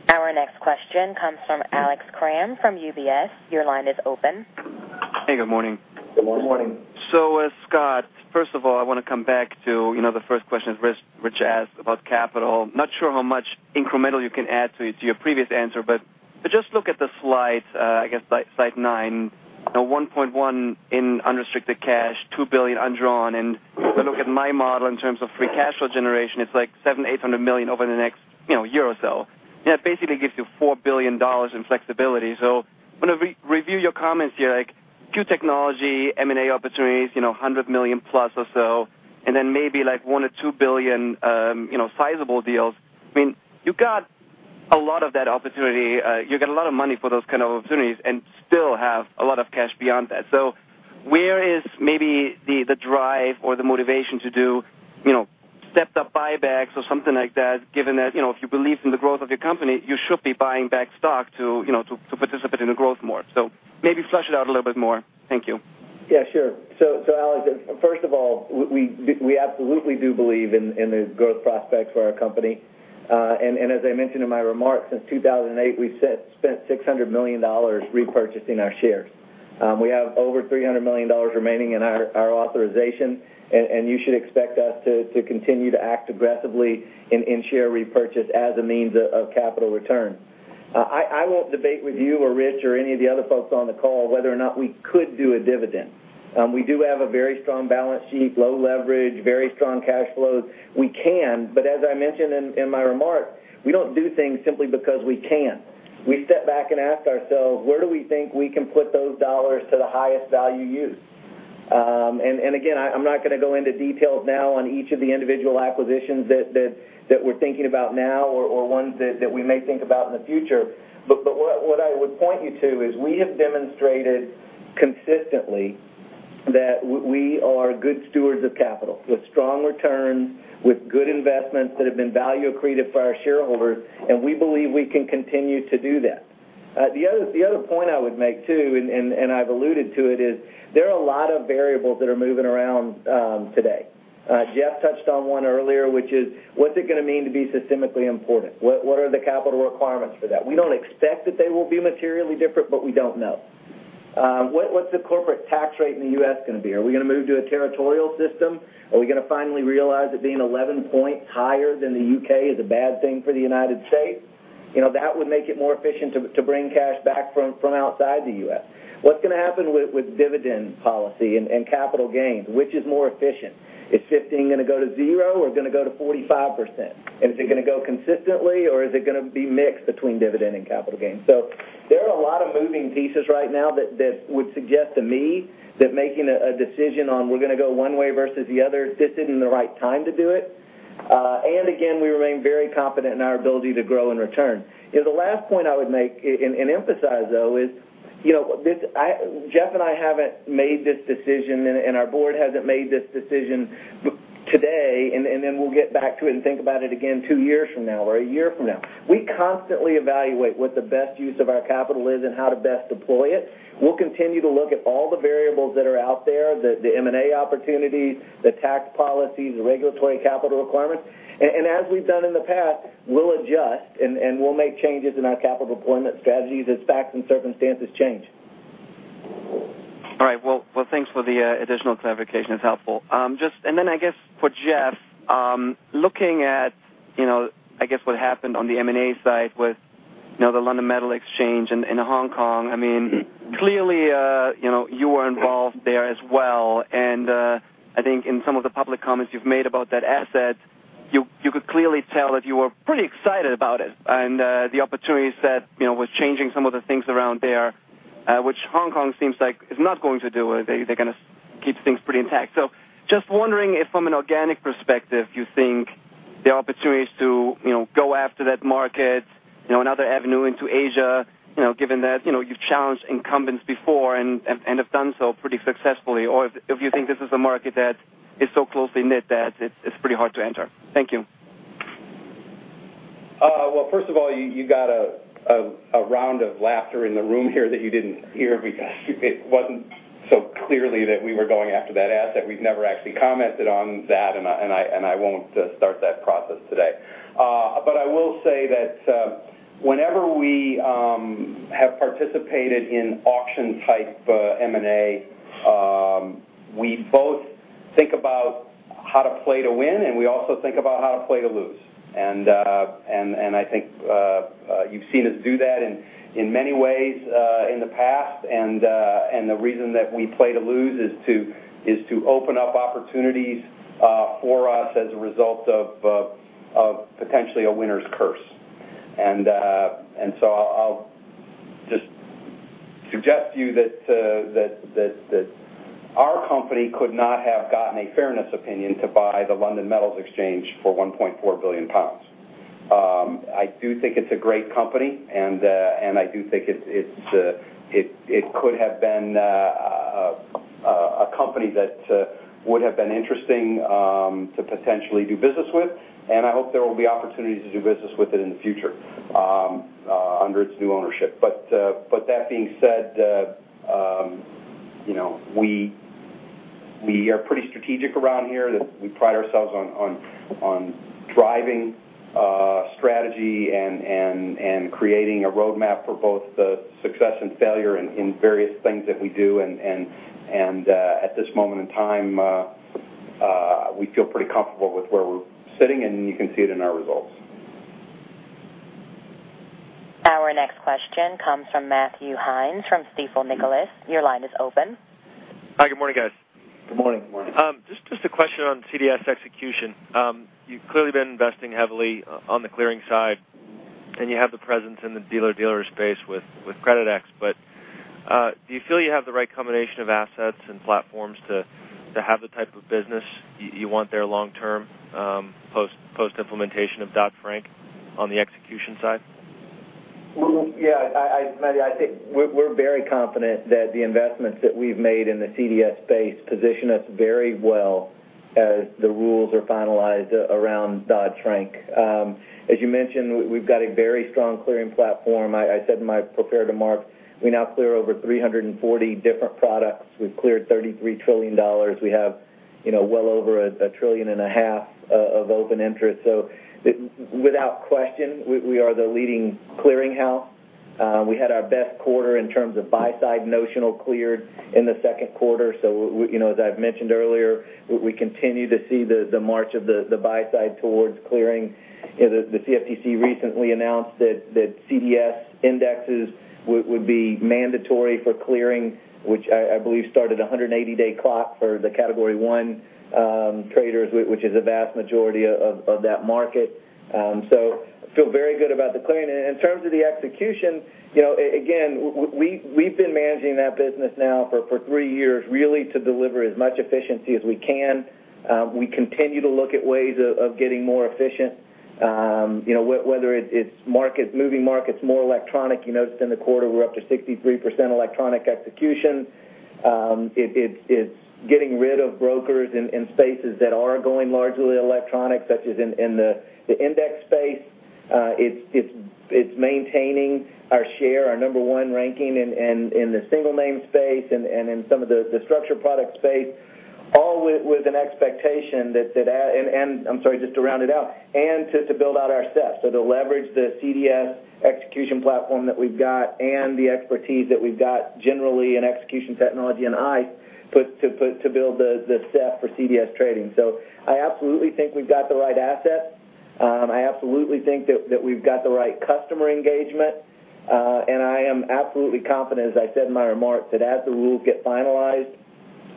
Our next question comes from Alex Kramm from UBS. Your line is open. Hey, good morning. Good morning. Good morning. Scott, first of all, I want to come back to the first question Rich asked about capital. Not sure how much incremental you can add to your previous answer, but just look at the slides, I guess slide nine, $1.1 billion in unrestricted cash, $2 billion undrawn, and When I look at my model in terms of free cash flow generation, it's like $700 million-$800 million over the next year or so. That basically gives you $4 billion in flexibility. When I review your comments here, like through technology, M&A opportunities, $100 million plus or so, and then maybe like $1 billion or $2 billion sizable deals. You've got a lot of that opportunity. You've got a lot of money for those kind of opportunities and still have a lot of cash beyond that. Where is maybe the drive or the motivation to do stepped-up buybacks or something like that, given that if you believe in the growth of your company, you should be buying back stock to participate in the growth more. Maybe flesh it out a little bit more. Thank you. Alex Kramm, first of all, we absolutely do believe in the growth prospects for our company. As I mentioned in my remarks, since 2008, we've spent $600 million repurchasing our shares. We have over $300 million remaining in our authorization, and you should expect us to continue to act aggressively in share repurchase as a means of capital return. I won't debate with you or Rich or any of the other folks on the call whether or not we could do a dividend. We do have a very strong balance sheet, low leverage, very strong cash flows. We can, as I mentioned in my remarks, we don't do things simply because we can. We step back and ask ourselves, where do we think we can put those dollars to the highest value use? I'm not going to go into details now on each of the individual acquisitions that we're thinking about now or ones that we may think about in the future. What I would point you to is we have demonstrated consistently that we are good stewards of capital with strong returns, with good investments that have been value accretive for our shareholders, and we believe we can continue to do that. The other point I would make, too, and I've alluded to it, is there are a lot of variables that are moving around today. Jeff touched on one earlier, which is, what's it going to mean to be systemically important? What are the capital requirements for that? We don't expect that they will be materially different, we don't know. What's the corporate tax rate in the U.S. going to be? Are we going to move to a territorial system? Are we going to finally realize that being 11 points higher than the U.K. is a bad thing for the United States? That would make it more efficient to bring cash back from outside the U.S. What's going to happen with dividend policy and capital gains, which is more efficient? Is 15 going to go to zero or going to go to 45%? Is it going to go consistently, or is it going to be mixed between dividend and capital gains? There are a lot of moving pieces right now that would suggest to me that making a decision on we're going to go one way versus the other, this isn't the right time to do it. We remain very confident in our ability to grow and return. The last point I would make and emphasize, though, is Jeff and I haven't made this decision, and our board hasn't made this decision today, and then we'll get back to it and think about it again two years from now or a year from now. We constantly evaluate what the best use of our capital is and how to best deploy it. We'll continue to look at all the variables that are out there, the M&A opportunities, the tax policies, the regulatory capital requirements. As we've done in the past, we'll adjust, and we'll make changes in our capital deployment strategies as facts and circumstances change. All right. Well, thanks for the additional clarification. It's helpful. I guess for Jeff, looking at what happened on the M&A side with the London Metal Exchange in Hong Kong, clearly, you were involved there as well, and I think in some of the public comments you've made about that asset, you could clearly tell that you were pretty excited about it and the opportunities that was changing some of the things around there, which Hong Kong seems like is not going to do. They're going to keep things pretty intact. Just wondering if from an organic perspective, you think there are opportunities to go after that market, another avenue into Asia, given that you've challenged incumbents before and have done so pretty successfully, or if you think this is a market that is so closely knit that it's pretty hard to enter. Thank you. Well, first of all, you got a round of laughter in the room here that you didn't hear because it wasn't so clearly that we were going after that asset. We've never actually commented on that, and I won't start that process today. I will say that whenever we have participated in auction-type M&A, we both think about how to play to win, and we also think about how to play to lose. I think you've seen us do that in many ways in the past, and the reason that we play to lose is to open up opportunities for us as a result of potentially a winner's curse. I'll just suggest to you that our company could not have gotten a fairness opinion to buy the London Metal Exchange for 1.4 billion pounds. I do think it's a great company, and I do think it could have been a company that would have been interesting to potentially do business with, and I hope there will be opportunities to do business with it in the future under its new ownership. That being said, we are pretty strategic around here. We pride ourselves on driving strategy and creating a roadmap for both the success and failure in various things that we do. At this moment in time, we feel pretty comfortable with where we're sitting, and you can see it in our results. Next question comes from Matthew Heinz from Stifel, Nicolaus. Your line is open. Hi, good morning, guys. Good morning. Good morning. Just a question on CDS execution. You've clearly been investing heavily on the clearing side, and you have the presence in the dealer-dealer space with Creditex, but do you feel you have the right combination of assets and platforms to have the type of business you want there long-term, post-implementation of Dodd-Frank on the execution side? I think we're very confident that the investments that we've made in the CDS space position us very well as the rules are finalized around Dodd-Frank. As you mentioned, we've got a very strong clearing platform. I said in my prepared remarks, we now clear over 340 different products. We've cleared $33 trillion. We have well over a trillion and a half of open interest. Without question, we are the leading clearing house. We had our best quarter in terms of buy-side notional cleared in the second quarter. As I've mentioned earlier, we continue to see the march of the buy side towards clearing. The CFTC recently announced that CDS indexes would be mandatory for clearing, which I believe started 180-day clock for the category 1 traders, which is a vast majority of that market. I feel very good about the clearing. In terms of the execution, again, we've been managing that business now for three years, really to deliver as much efficiency as we can. We continue to look at ways of getting more efficient, whether it's moving markets more electronic. You noticed in the quarter, we're up to 63% electronic execution. It's getting rid of brokers in spaces that are going largely electronic, such as in the index space. It's maintaining our share, our number 1 ranking in the single name space and in some of the structured product space, all with an expectation that I'm sorry, just to round it out, and to build out our SEF, to leverage the CDS execution platform that we've got and the expertise that we've got generally in execution technology and ICE to build the SEF for CDS trading. I absolutely think we've got the right assets. I absolutely think that we've got the right customer engagement. I am absolutely confident, as I said in my remarks, that as the rules get finalized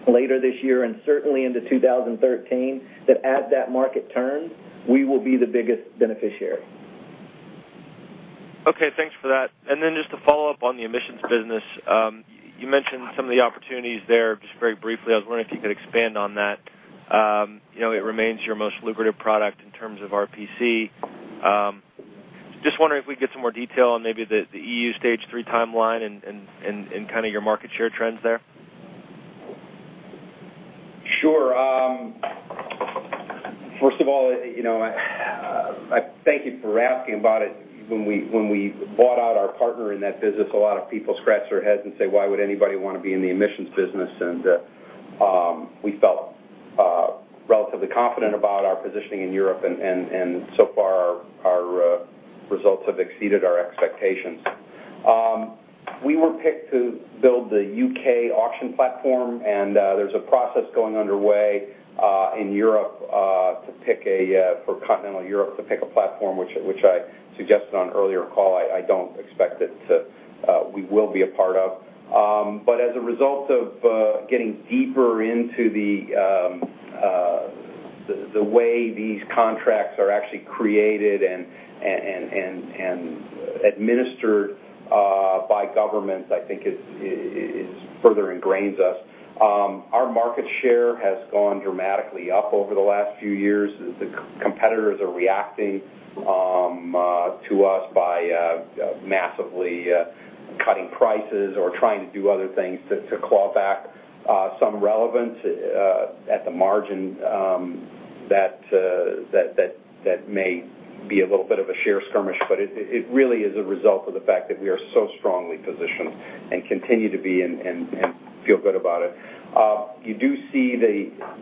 later this year and certainly into 2013, that at that market turn, we will be the biggest beneficiary. Okay, thanks for that. Just to follow up on the emissions business, you mentioned some of the opportunities there just very briefly. I was wondering if you could expand on that. It remains your most lucrative product in terms of RPC. Just wondering if we could get some more detail on maybe the EU Stage 3 timeline and kind of your market share trends there. Sure. First of all, thank you for asking about it. When we bought out our partner in that business, a lot of people scratched their heads and said, "Why would anybody want to be in the emissions business?" We felt relatively confident about our positioning in Europe. So far, our results have exceeded our expectations. We were picked to build the U.K. auction platform. There's a process going underway in Europe, for continental Europe, to pick a platform, which I suggested on an earlier call, I don't expect we will be a part of. As a result of getting deeper into the way these contracts are actually created and administered by governments, I think it further ingrains us. Our market share has gone dramatically up over the last few years. The competitors are reacting to us by massively cutting prices or trying to do other things to claw back some relevance at the margin. That may be a little bit of a share skirmish. It really is a result of the fact that we are so strongly positioned and continue to be and feel good about it. You do see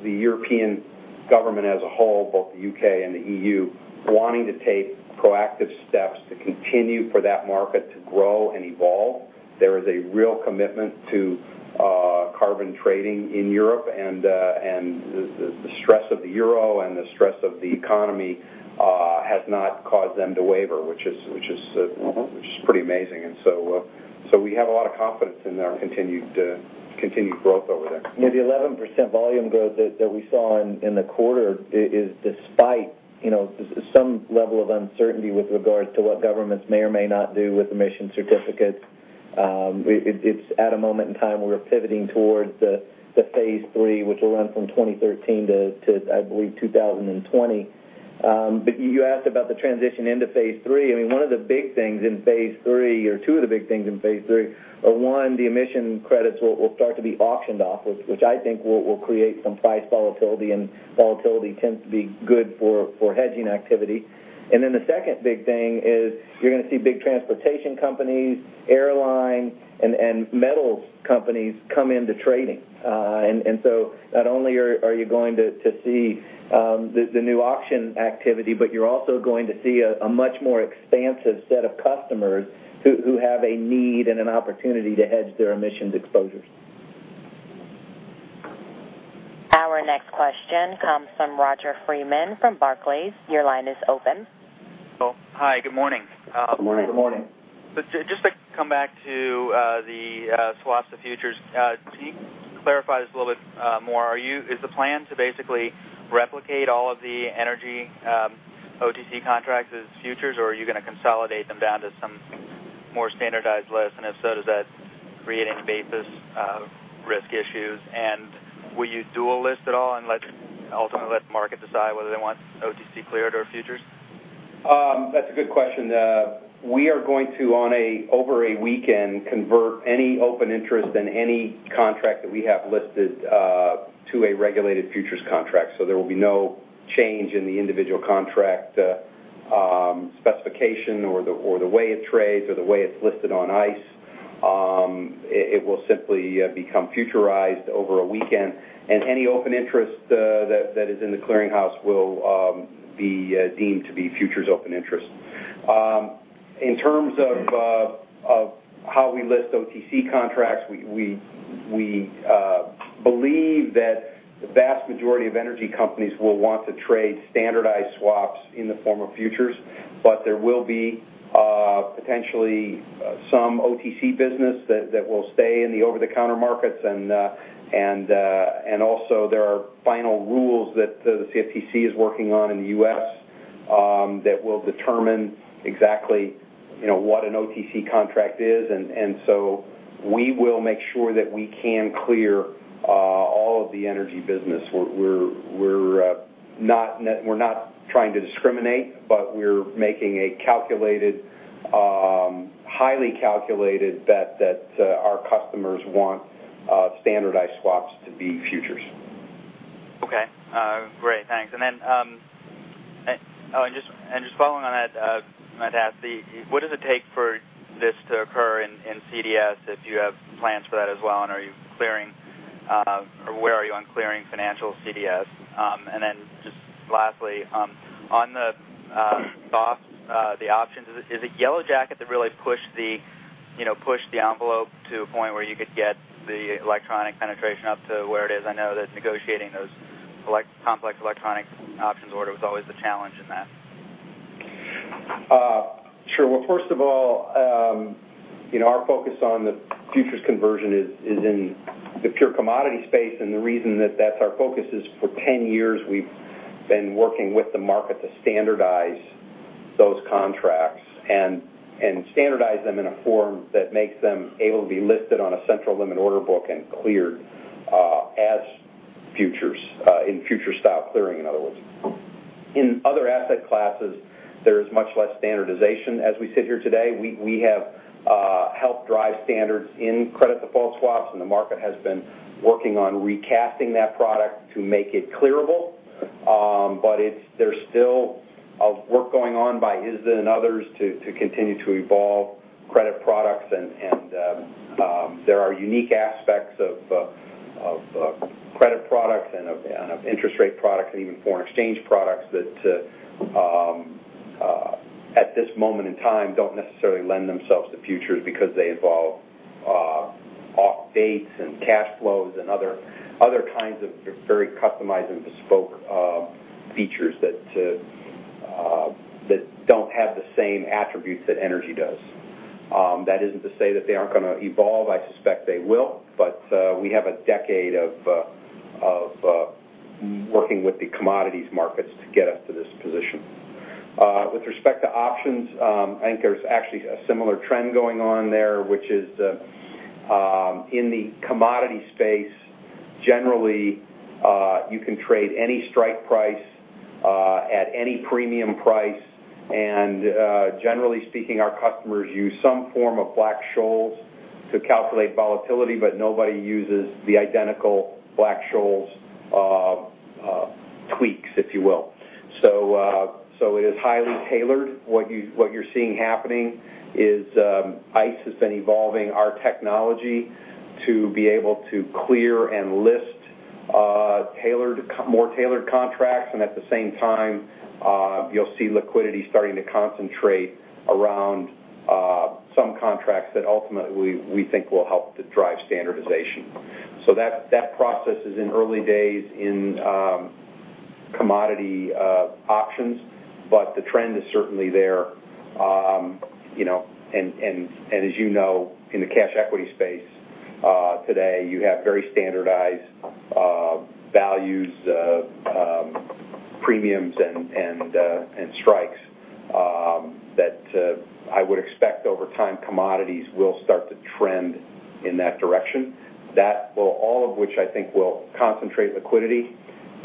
the European government as a whole, both the U.K. and the EU, wanting to take proactive steps to continue for that market to grow and evolve. There is a real commitment to carbon trading in Europe. The stress of the euro and the stress of the economy has not caused them to waver, which is pretty amazing. We have a lot of confidence in our continued growth over there. The 11% volume growth that we saw in the quarter is despite some level of uncertainty with regards to what governments may or may not do with emissions certificates. It's at a moment in time where we're pivoting towards the phase III, which will run from 2013 to, I believe, 2020. You asked about the transition into phase III. I mean, one of the big things in phase III, or two of the big things in phase III are, one, the emission credits will start to be auctioned off, which I think will create some price volatility. Volatility tends to be good for hedging activity. The second big thing is you're going to see big transportation companies, airlines, and metals companies come into trading. Not only are you going to see the new auction activity, you're also going to see a much more expansive set of customers who have a need and an opportunity to hedge their emissions exposures. Question comes from Roger Freeman from Barclays. Your line is open. Hello. Hi, good morning. Good morning. Good morning. Just to come back to the swaps to futures, could you clarify this a little bit more? Is the plan to basically replicate all of the energy OTC contracts as futures, or are you going to consolidate them down to some more standardized list? If so, does that create any basis risk issues? Will you dual list at all and ultimately let the market decide whether they want OTC cleared or futures? That's a good question. We are going to, over a weekend, convert any open interest in any contract that we have listed to a regulated futures contract, so there will be no change in the individual contract specification or the way it trades or the way it's listed on ICE. It will simply become futurized over a weekend, any open interest that is in the clearing house will be deemed to be futures open interest. In terms of how we list OTC contracts, we believe that the vast majority of energy companies will want to trade standardized swaps in the form of futures, there will be potentially some OTC business that will stay in the over-the-counter markets, also there are final rules that the CFTC is working on in the U.S. that will determine exactly what an OTC contract is. We will make sure that we can clear all of the energy business. We're not trying to discriminate, we're making a highly calculated bet that our customers want standardized swaps to be futures. Okay. Great. Thanks. Just following on that, might ask thee, what does it take for this to occur in CDS, if you have plans for that as well, and where are you on clearing financial CDS? Just lastly, on the options, is it YellowJacket that really pushed the envelope to a point where you could get the electronic penetration up to where it is? I know that negotiating those complex electronic options order was always the challenge in that. Well, first of all, our focus on the futures conversion is in the pure commodity space. The reason that that's our focus is for 10 years, we've been working with the market to standardize those contracts and standardize them in a form that makes them able to be listed on a central limit order book and cleared as futures, in future-style clearing, in other words. In other asset classes, there is much less standardization. As we sit here today, we have helped drive standards in credit default swaps. The market has been working on recasting that product to make it clearable. There's still work going on by ISDA and others to continue to evolve credit products. There are unique aspects of credit products and of interest rate products and even foreign exchange products that, at this moment in time, don't necessarily lend themselves to futures because they involve off dates and cash flows and other kinds of very customized and bespoke features that don't have the same attributes that energy does. That isn't to say that they aren't going to evolve. I suspect they will. We have a decade of working with the commodities markets to get us to this position. With respect to options, I think there's actually a similar trend going on there, which is in the commodity space, generally, you can trade any strike price at any premium price. Generally speaking, our customers use some form of Black-Scholes to calculate volatility. Nobody uses the identical Black-Scholes tweaks, if you will. It is highly tailored. What you're seeing happening is ICE has been evolving our technology to be able to clear and list more tailored contracts. At the same time, you'll see liquidity starting to concentrate around some contracts that ultimately we think will help to drive standardization. That process is in early days in commodity options, but the trend is certainly there. As you know, in the cash equity space today, you have very standardized values, premiums, and strikes that I would expect over time, commodities will start to trend in that direction. All of which I think will concentrate liquidity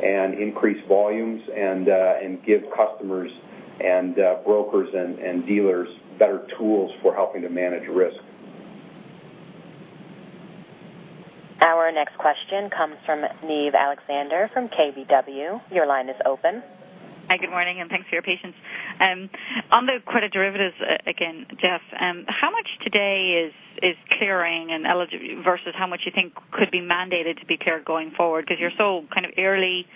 and increase volumes and give customers and brokers and dealers better tools for helping to manage risk. Our next question comes from Niamh Alexander from KBW. Your line is open. Hi, good morning, and thanks for your patience. On the credit derivatives, again, Jeff, how much today is clearing and eligible versus how much you think could be mandated to be cleared going forward? You're so early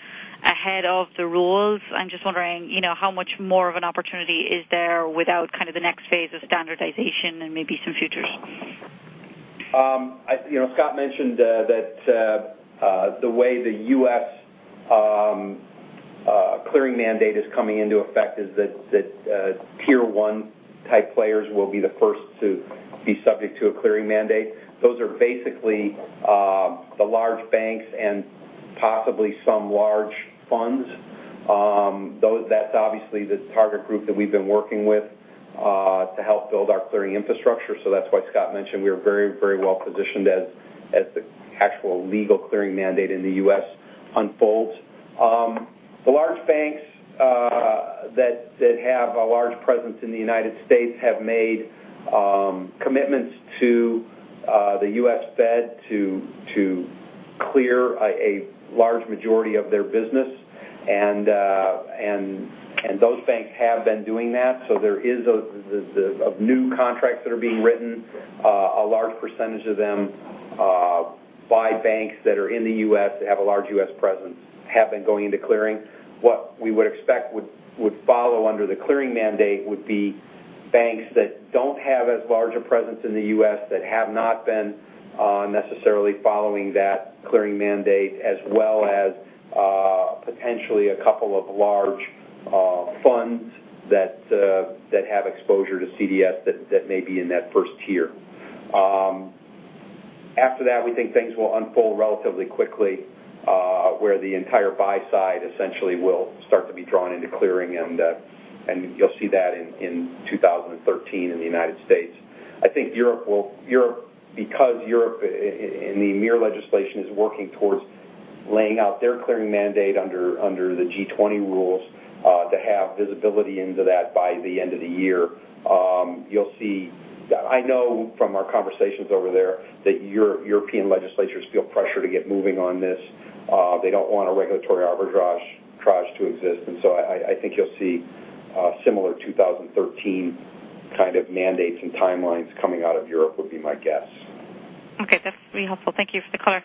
ahead of the rules. I'm just wondering, how much more of an opportunity is there without the next phase of standardization and maybe some futures? Scott mentioned that the way the U.S. clearing mandate is coming into effect is that Tier 1 type players will be the first to be subject to a clearing mandate. Those are basically the large banks and possibly some large funds. That's obviously the target group that we've been working with to help build our clearing infrastructure. That's why Scott mentioned we are very well-positioned as the actual legal clearing mandate in the U.S. unfolds. The large banks that have a large presence in the United States have made commitments to the U.S. Fed to clear a large majority of their business, and those banks have been doing that. There is new contracts that are being written, a large percentage of them by banks that are in the U.S. that have a large U.S. presence have been going into clearing. What we would expect would follow under the clearing mandate would be banks that don't have as large a presence in the U.S. that have not been necessarily following that clearing mandate as well as potentially a couple of large funds that have exposure to CDS that may be in that first tier. After that, we think things will unfold relatively quickly, where the entire buy side essentially will start to be drawn into clearing, and you'll see that in 2013 in the United States. I think because Europe, in the EMIR legislation, is working towards laying out their clearing mandate under the G20 rules to have visibility into that by the end of the year. I know from our conversations over there that European legislatures feel pressure to get moving on this. They don't want a regulatory arbitrage to exist. I think you'll see similar 2013 kind of mandates and timelines coming out of Europe, would be my guess. Okay. That's really helpful. Thank you for the color.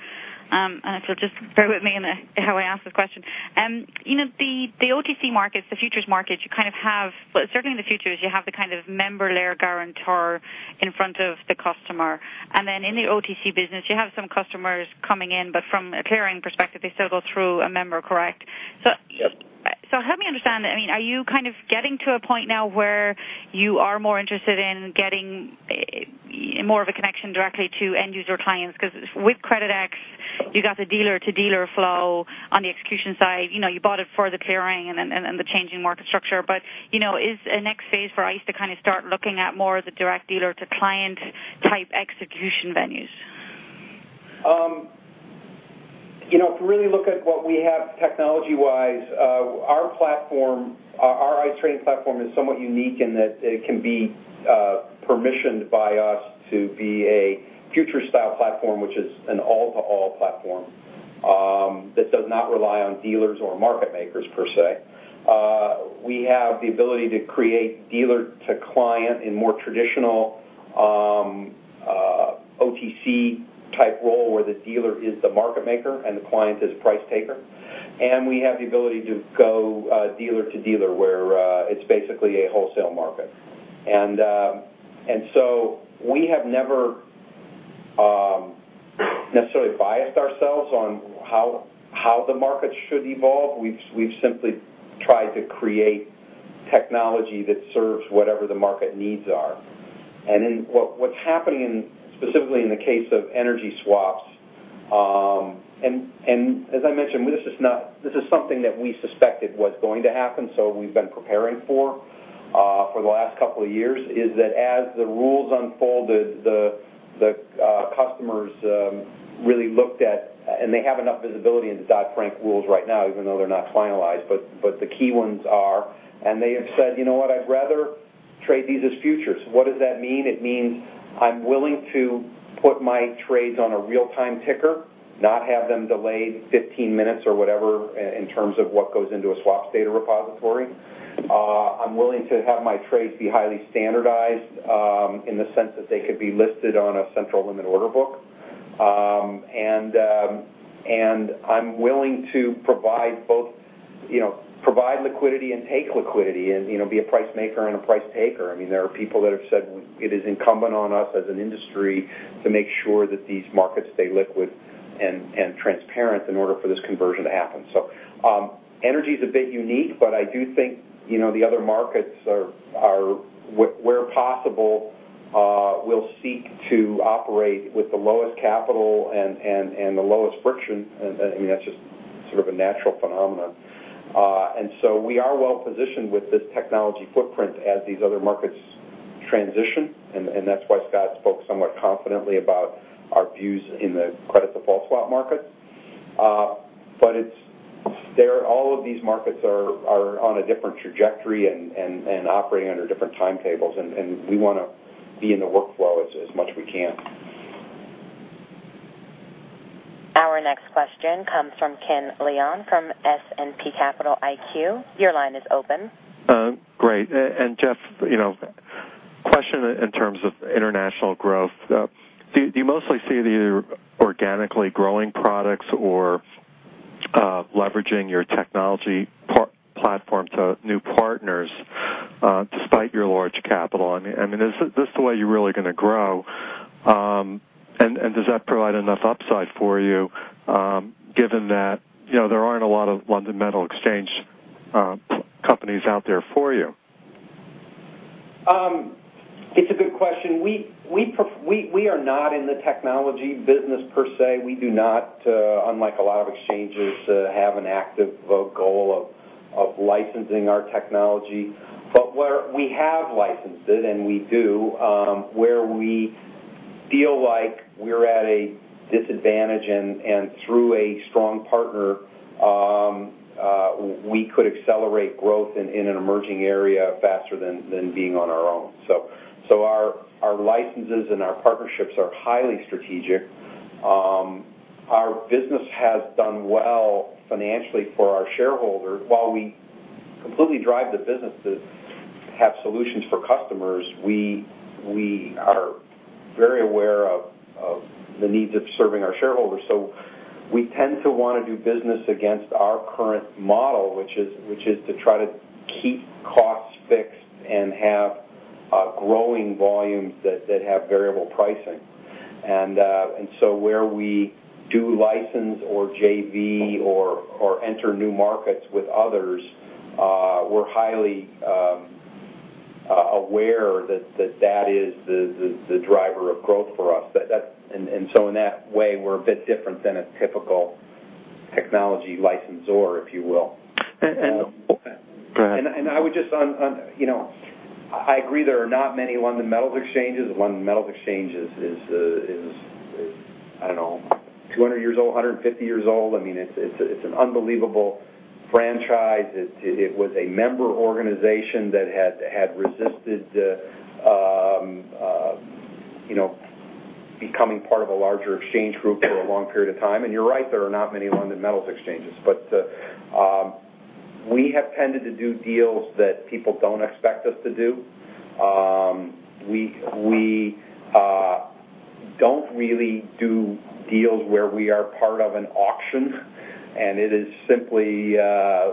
Just bear with me in how I ask this question. The OTC markets, the futures markets, certainly in the futures, you have the kind of member layer guarantor in front of the customer, and then in the OTC business, you have some customers coming in, but from a clearing perspective, they still go through a member, correct? Yes. Help me understand, are you kind of getting to a point now where you are more interested in getting more of a connection directly to end user clients? Because with Creditex, you got the dealer-to-dealer flow on the execution side. You bought it for the clearing and the changing market structure. But is a next phase for ICE to kind of start looking at more of the direct dealer-to-client type execution venues? If we really look at what we have technology-wise, our ICE trading platform is somewhat unique in that it can be permissioned by us to be a future-style platform, which is an all-to-all platform that does not rely on dealers or market makers per se. We have the ability to create dealer-to-client in more traditional OTC type role where the dealer is the market maker and the client is a price taker, and we have the ability to go dealer to dealer where it's basically a wholesale market. We have never necessarily biased ourselves on how the market should evolve. We've simply tried to create technology that serves whatever the market needs are. What's happening specifically in the case of energy swaps, and as I mentioned, this is something that we suspected was going to happen, so we've been preparing for the last couple of years, is that as the rules unfolded, the customers really looked at, and they have enough visibility into Dodd-Frank rules right now, even though they're not finalized, but the key ones are, and they have said, "You know what? I'd rather trade these as futures." What does that mean? It means I'm willing to put my trades on a real-time ticker, not have them delayed 15 minutes or whatever, in terms of what goes into a swap data repository. I'm willing to have my trades be highly standardized, in the sense that they could be listed on a central limit order book. I'm willing to provide liquidity and take liquidity and be a price maker and a price taker. There are people that have said it is incumbent on us as an industry to make sure that these markets stay liquid and transparent in order for this conversion to happen. Energy's a bit unique, but I do think the other markets, where possible, will seek to operate with the lowest capital and the lowest friction. That's just sort of a natural phenomenon. We are well-positioned with this technology footprint as these other markets transition, and that's why Scott spoke somewhat confidently about our views in the credit default swap markets. All of these markets are on a different trajectory and operating under different timetables, and we want to be in the workflow as much we can. Our next question comes from Ken Leon from S&P Capital IQ. Your line is open. Great. Jeff, question in terms of international growth. Do you mostly see these organically growing products or leveraging your technology platform to new partners, despite your large capital. Is this the way you're really going to grow? Does that provide enough upside for you, given that there aren't a lot of London Metal Exchange companies out there for you? It's a good question. We are not in the technology business, per se. We do not, unlike a lot of exchanges, have an active goal of licensing our technology. Where we have licensed it, and we do, where we feel like we're at a disadvantage, and through a strong partner, we could accelerate growth in an emerging area faster than being on our own. Our licenses and our partnerships are highly strategic. Our business has done well financially for our shareholders. While we completely drive the business to have solutions for customers, we are very aware of the needs of serving our shareholders. We tend to want to do business against our current model, which is to try to keep costs fixed and have growing volumes that have variable pricing. Where we do license or JV or enter new markets with others, we're highly aware that that is the driver of growth for us. In that way, we're a bit different than a typical technology licensor, if you will. Go ahead. I agree there are not many London Metal Exchanges. London Metal Exchange is, I don't know, 200 years old, 150 years old. It's an unbelievable franchise. It was a member organization that had resisted becoming part of a larger exchange group for a long period of time. You're right, there are not many London Metal Exchanges. We have tended to do deals that people don't expect us to do. We don't really do deals where we are part of an auction, and it is simply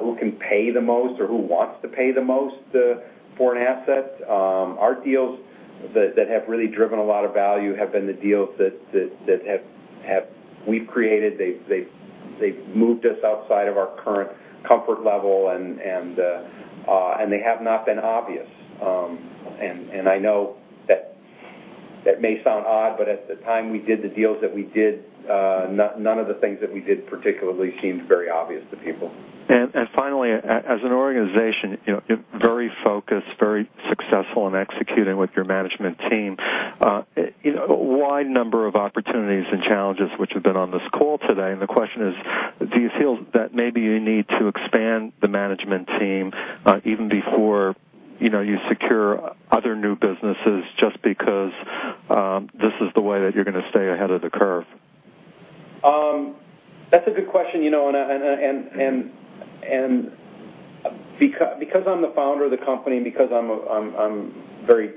who can pay the most or who wants to pay the most for an asset. Our deals that have really driven a lot of value have been the deals that we've created, they've moved us outside of our current comfort level, and they have not been obvious. I know that may sound odd, at the time we did the deals that we did, none of the things that we did particularly seemed very obvious to people. Finally, as an organization, you're very focused, very successful in executing with your management team. A wide number of opportunities and challenges which have been on this call today, the question is: Do you feel that maybe you need to expand the management team even before you secure other new businesses, just because this is the way that you're going to stay ahead of the curve? That's a good question. Because I'm the founder of the company, and because I'm very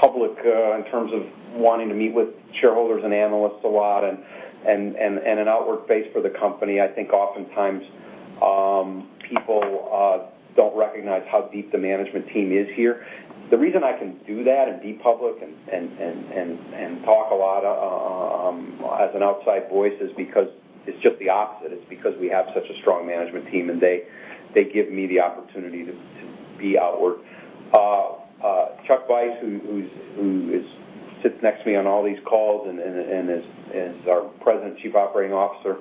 public in terms of wanting to meet with shareholders and analysts a lot, and an outward face for the company, I think oftentimes, people don't recognize how deep the management team is here. The reason I can do that and be public and talk a lot as an outside voice is because it's just the opposite. It's because we have such a strong management team, and they give me the opportunity to be outward. Chuck Vice, who sits next to me on all these calls and is our President, Chief Operating Officer,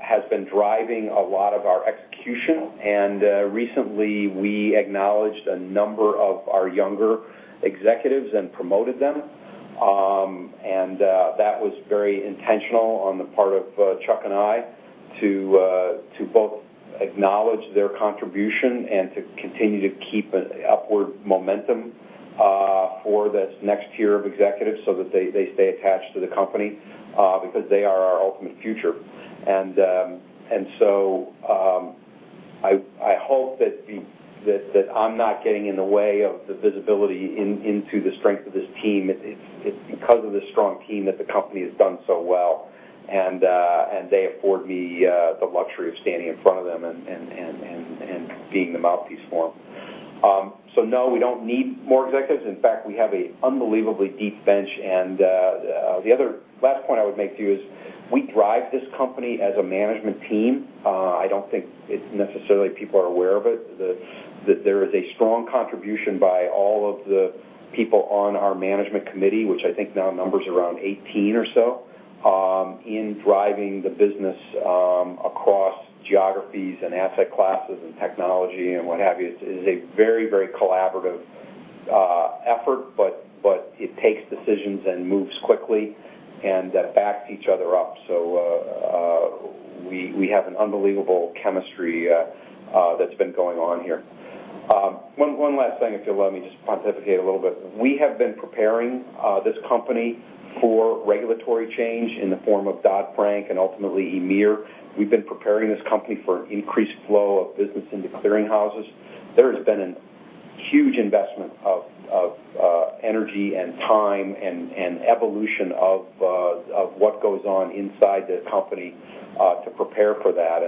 has been driving a lot of our execution. Recently, we acknowledged a number of our younger executives and promoted them. That was very intentional on the part of Chuck and I to both acknowledge their contribution and to continue to keep an upward momentum for this next tier of executives so that they stay attached to the company, because they are our ultimate future. I hope that I'm not getting in the way of the visibility into the strength of this team. It's because of the strong team that the company has done so well, and they afford me the luxury of standing in front of them and being the mouthpiece for them. No, we don't need more executives. In fact, we have an unbelievably deep bench. The other last point I would make to you is we drive this company as a management team. I don't think necessarily people are aware of it, that there is a strong contribution by all of the people on our management committee, which I think now numbers around 18 or so, in driving the business across geographies and asset classes and technology and what have you. It is a very collaborative effort, but it takes decisions and moves quickly and backs each other up. We have an unbelievable chemistry that's been going on here. One last thing, if you'll let me just pontificate a little bit. We have been preparing this company for regulatory change in the form of Dodd-Frank and ultimately EMIR. We've been preparing this company for increased flow of business into clearing houses. There has been a huge investment of energy and time and evolution of what goes on inside the company to prepare for that.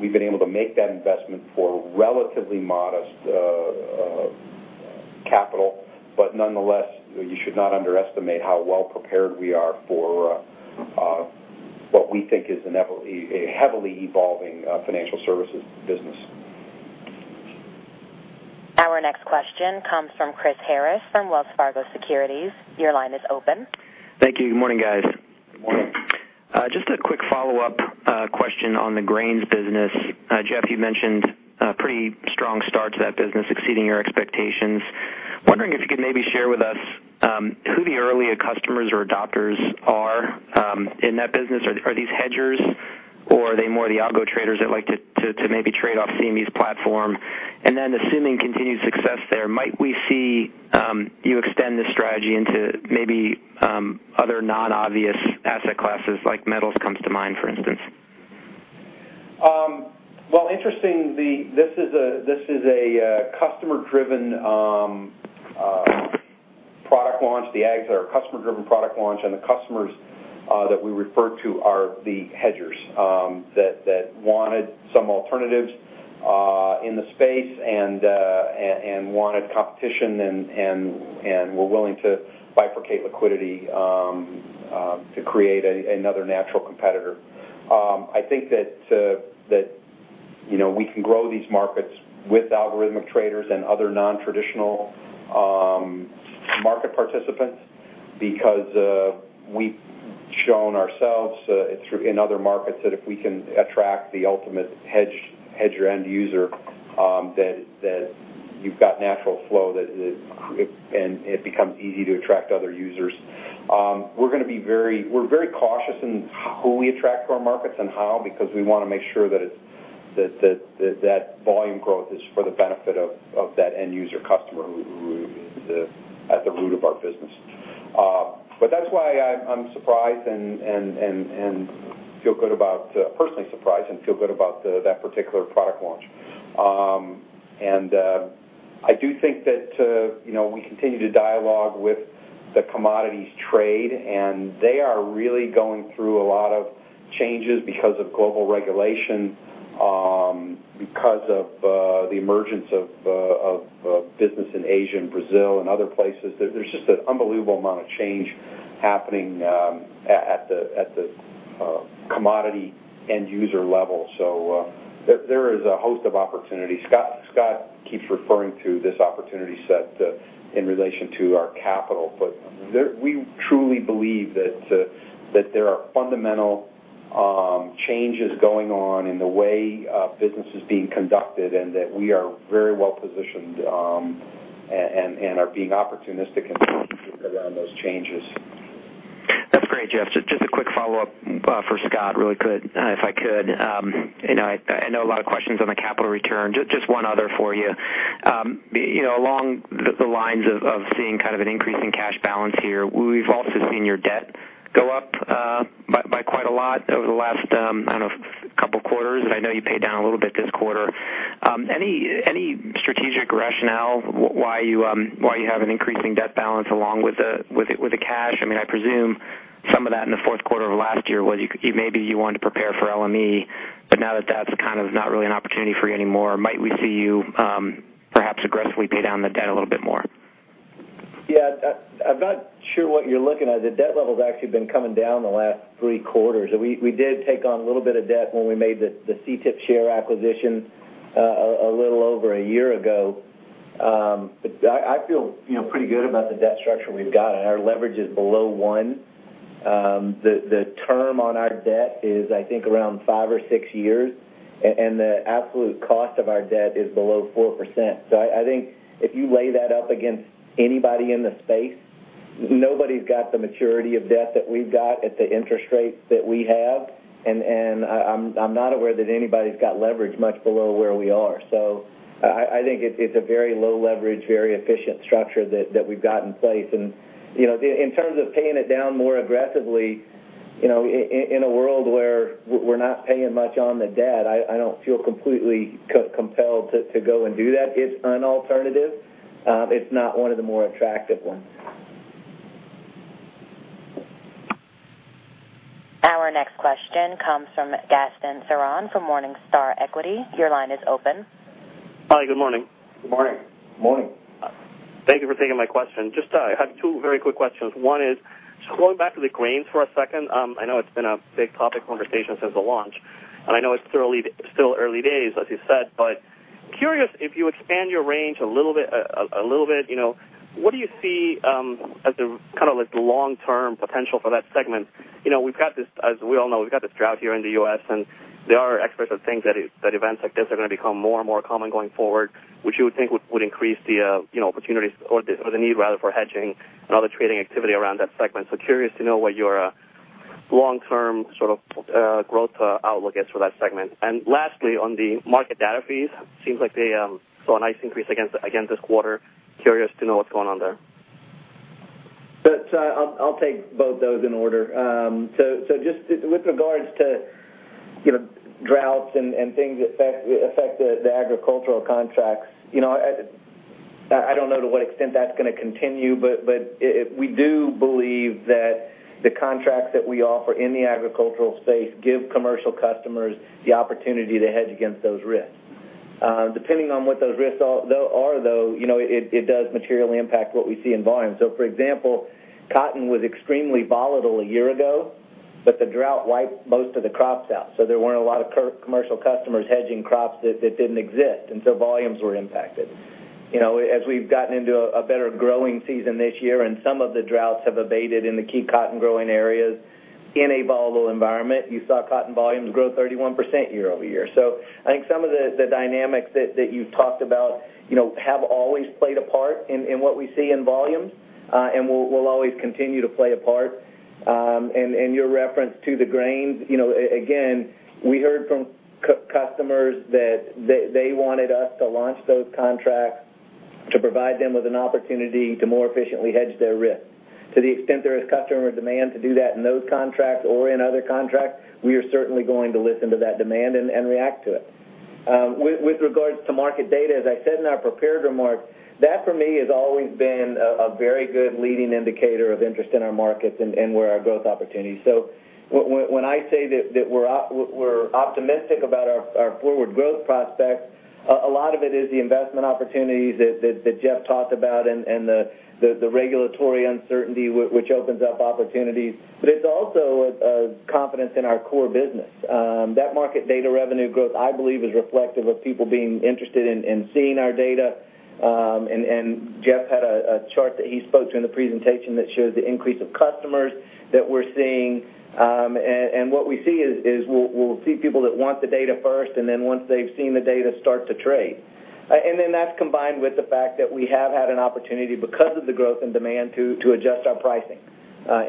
We've been able to make that investment for relatively modest capital. Nonetheless, you should not underestimate how well-prepared we are for what we think is a heavily evolving financial services business. Our next question comes from Chris Harris from Wells Fargo Securities. Your line is open. Thank you. Good morning, guys. Good morning. Just a quick follow-up question on the grains business. Jeff, you mentioned a pretty strong start to that business, exceeding your expectations. Wondering if you could maybe share with us who the earlier customers or adopters are in that business. Are these hedgers, or are they more the algo traders that like to maybe trade off CME's platform? Assuming continued success there, might we see you extend this strategy into maybe other non-obvious asset classes, like metals comes to mind, for instance? Well, interesting. This is a customer-driven product launch. The ags are a customer-driven product launch, the customers that we refer to are the hedgers that wanted some alternatives in the space and wanted competition and were willing to bifurcate liquidity to create another natural competitor. I think that we can grow these markets with algorithmic traders and other non-traditional market participants because we've shown ourselves in other markets that if we can attract the ultimate hedger end user, then you've got natural flow, and it becomes easy to attract other users. We're very cautious in who we attract to our markets and how, because we want to make sure that that volume growth is for the benefit of that end-user customer who is at the root of our business. That's why I'm personally surprised and feel good about that particular product launch. I do think that we continue to dialogue with the commodities trade. They are really going through a lot of changes because of global regulation, because of the emergence of business in Asia and Brazil and other places. There is just an unbelievable amount of change happening at the commodity end-user level. There is a host of opportunities. Scott keeps referring to this opportunity set in relation to our capital, but we truly believe that there are fundamental changes going on in the way business is being conducted, and that we are very well-positioned and are being opportunistic around those changes. That's great, Jeff. Just a quick follow-up for Scott, really quick, if I could. I know a lot of questions on the capital return. Just one other for you. Along the lines of seeing kind of an increase in cash balance here, we've also seen your debt go up by quite a lot over the last, I don't know, couple of quarters, and I know you paid down a little bit this quarter. Any strategic rationale why you have an increasing debt balance along with the cash? I presume some of that in the fourth quarter of last year was maybe you wanted to prepare for LME, but now that that's kind of not really an opportunity for you anymore, might we see you perhaps aggressively pay down the debt a little bit more? I'm not sure what you're looking at. The debt level's actually been coming down the last three quarters. We did take on a little bit of debt when we made the Cetip share acquisition a little over a year ago. I feel pretty good about the debt structure we've got, and our leverage is below one. The term on our debt is, I think, around five or six years, and the absolute cost of our debt is below 4%. I think if you lay that up against anybody in the space, nobody's got the maturity of debt that we've got at the interest rates that we have, and I'm not aware that anybody's got leverage much below where we are. I think it's a very low-leverage, very efficient structure that we've got in place. In terms of paying it down more aggressively, in a world where we're not paying much on the debt, I don't feel completely compelled to go and do that. It's an alternative. It's not one of the more attractive ones. Our next question comes from Gaston Ceron from Morningstar Equity. Your line is open. Hi. Good morning. Good morning. Morning. Thank you for taking my question. Just I have two very quick questions. One is, just going back to the grains for a second. I know it's been a big topic conversation since the launch, and I know it's still early days, as you said, but curious if you expand your range a little bit, what do you see as the kind of like the long-term potential for that segment? As we all know, we've got this drought here in the U.S., and there are experts that think that events like this are going to become more and more common going forward, which you would think would increase the opportunities or the need, rather, for hedging and other trading activity around that segment. Curious to know what your long-term sort of growth outlook is for that segment. lastly, on the market data fees, seems like they saw a nice increase again this quarter. Curious to know what's going on there. I'll take both those in order. Just with regards to droughts and things that affect the agricultural contracts, I don't know to what extent that's going to continue, but we do believe that the contracts that we offer in the agricultural space give commercial customers the opportunity to hedge against those risks. Depending on what those risks are, though, it does materially impact what we see in volume. For example, cotton was extremely volatile a year ago, but the drought wiped most of the crops out, so there weren't a lot of commercial customers hedging crops that didn't exist, and so volumes were impacted. As we've gotten into a better growing season this year, and some of the droughts have abated in the key cotton-growing areas, in a volatile environment, you saw cotton volumes grow 31% year-over-year. I think some of the dynamics that you've talked about have always played a part in what we see in volumes, and will always continue to play a part. Your reference to the grains, again, we heard from customers that they wanted us to launch those contracts to provide them with an opportunity to more efficiently hedge their risk. To the extent there is customer demand to do that in those contracts or in other contracts, we are certainly going to listen to that demand and react to it. With regards to market data, as I said in our prepared remarks, that, for me, has always been a very good leading indicator of interest in our markets and where are our growth opportunities. When I say that we're optimistic about our forward growth prospects, a lot of it is the investment opportunities that Jeff talked about and the regulatory uncertainty, which opens up opportunities. It's also a confidence in our core business. That market data revenue growth, I believe, is reflective of people being interested in seeing our data, and Jeff had a chart that he spoke to in the presentation that showed the increase of customers that we're seeing. What we see is we'll see people that want the data first, and then once they've seen the data, start to trade. Then that's combined with the fact that we have had an opportunity because of the growth in demand to adjust our pricing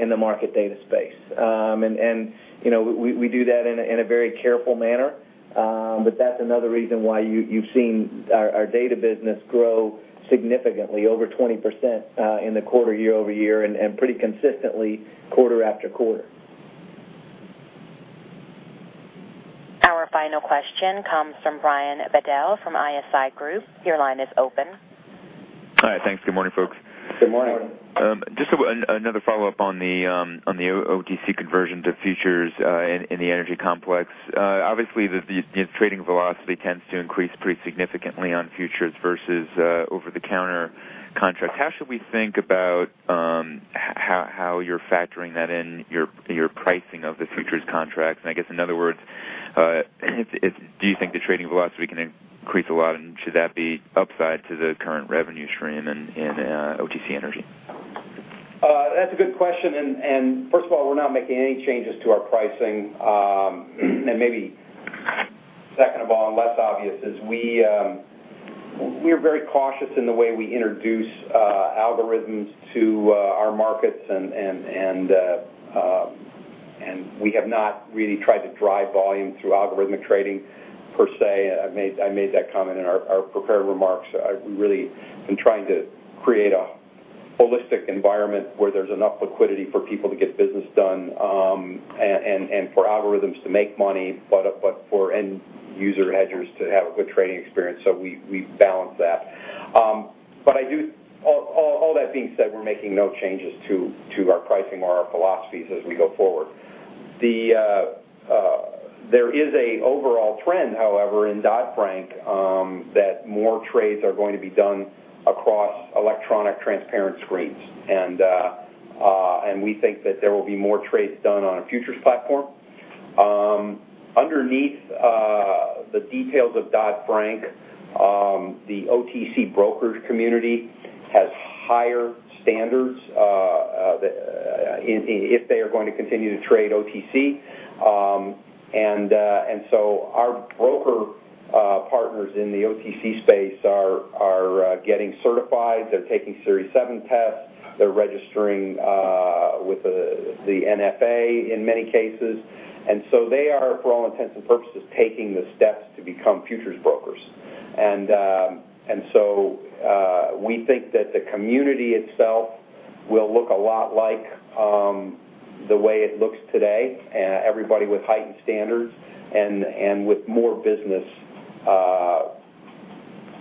in the market data space. We do that in a very careful manner, but that's another reason why you've seen our data business grow significantly, over 20% in the quarter year-over-year, and pretty consistently quarter after quarter. Our final question comes from Brian Bedell from ISI Group. Your line is open. Hi. Thanks. Good morning, folks. Good morning. Just another follow-up on the OTC conversion to futures in the energy complex. Obviously, the trading velocity tends to increase pretty significantly on futures versus over-the-counter contracts. How should we think about how you're factoring that in your pricing of the futures contracts? I guess, in other words, do you think the trading velocity can increase a lot, and should that be upside to the current revenue stream in OTC energy? That's a good question. First of all, we're not making any changes to our pricing. Maybe second of all, and less obvious, is we are very cautious in the way we introduce algorithms to our markets, and we have not really tried to drive volume through algorithmic trading per se. I made that comment in our prepared remarks. We really have been trying to create a holistic environment where there's enough liquidity for people to get business done, and for algorithms to make money, but for end-user hedgers to have a good trading experience. We balance that. All that being said, we're making no changes to our pricing or our philosophies as we go forward. There is an overall trend, however, in Dodd-Frank, that more trades are going to be done across electronic transparent screens, and we think that there will be more trades done on a futures platform. Underneath the details of Dodd-Frank, the OTC brokers community has higher standards if they are going to continue to trade OTC. Our broker partners in the OTC space are getting certified. They're taking Series 7 tests. They're registering with the NFA in many cases. They are, for all intents and purposes, taking the steps to become futures brokers. We think that the community itself will look a lot like the way it looks today, everybody with heightened standards and with more business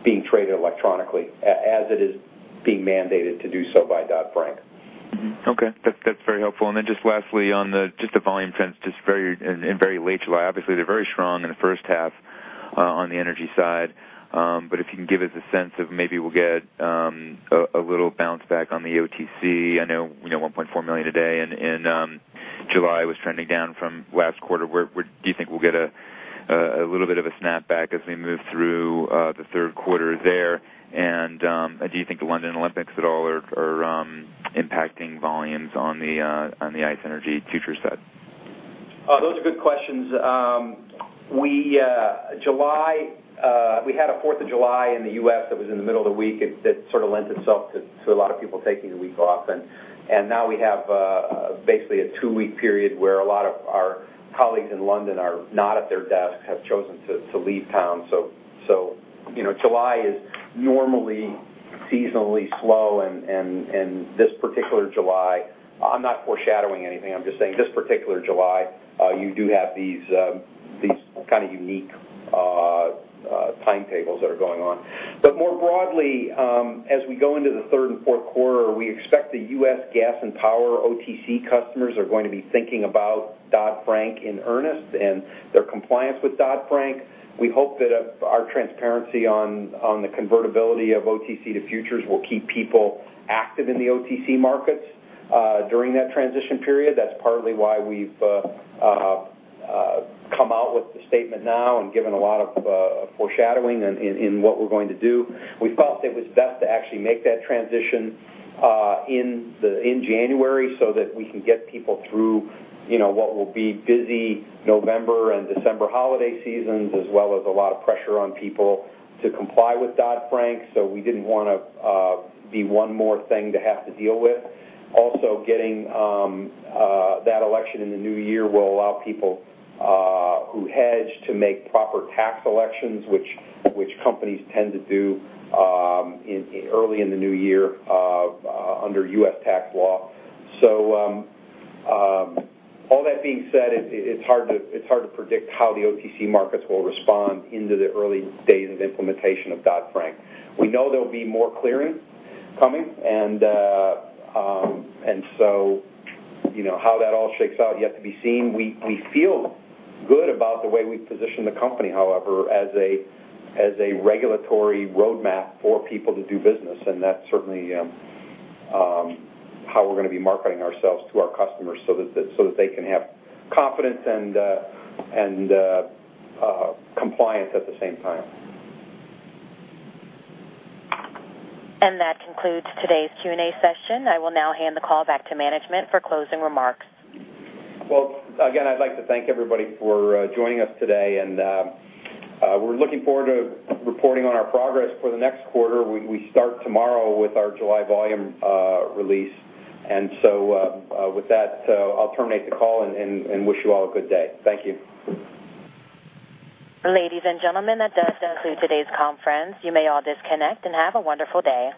being traded electronically, as it is being mandated to do so by Dodd-Frank. Okay. That's very helpful. Just lastly, on just the volume trends in very late July. Obviously, they're very strong in the first half on the energy side, but if you can give us a sense of maybe we'll get a little bounce back on the OTC. I know 1.4 million today and July was trending down from last quarter. Do you think we'll get a little bit of a snapback as we move through the third quarter there? Do you think the London Olympics at all are impacting volumes on the ICE Energy futures side? Those are good questions. We had a Fourth of July in the U.S. that was in the middle of the week. It sort of lent itself to a lot of people taking the week off, and now we have basically a two-week period where a lot of our colleagues in London are not at their desks, have chosen to leave town. July is normally seasonally slow, this particular July, I'm not foreshadowing anything, I'm just saying this particular July, you do have these unique timetables that are going on. More broadly, as we go into the third and fourth quarter, we expect the U.S. gas and power OTC customers are going to be thinking about Dodd-Frank in earnest and their compliance with Dodd-Frank. We hope that our transparency on the convertibility of OTC to futures will keep people active in the OTC markets during that transition period. That's partly why we've come out with the statement now and given a lot of foreshadowing in what we're going to do. We felt it was best to actually make that transition in January so that we can get people through what will be busy November and December holiday seasons, as well as a lot of pressure on people to comply with Dodd-Frank. We didn't want to be one more thing to have to deal with. Also, getting that election in the new year will allow people who hedge to make proper tax elections, which companies tend to do early in the new year under U.S. tax law. All that being said, it's hard to predict how the OTC markets will respond into the early days of implementation of Dodd-Frank. We know there'll be more clearing coming, and so how that all shakes out is yet to be seen. We feel good about the way we've positioned the company, however, as a regulatory roadmap for people to do business, and that's certainly how we're going to be marketing ourselves to our customers, so that they can have confidence and compliance at the same time. That concludes today's Q&A session. I will now hand the call back to management for closing remarks. Well, again, I'd like to thank everybody for joining us today, and we're looking forward to reporting on our progress for the next quarter. We start tomorrow with our July volume release. With that, I'll terminate the call and wish you all a good day. Thank you. Ladies and gentlemen, that does conclude today's conference. You may all disconnect, and have a wonderful day.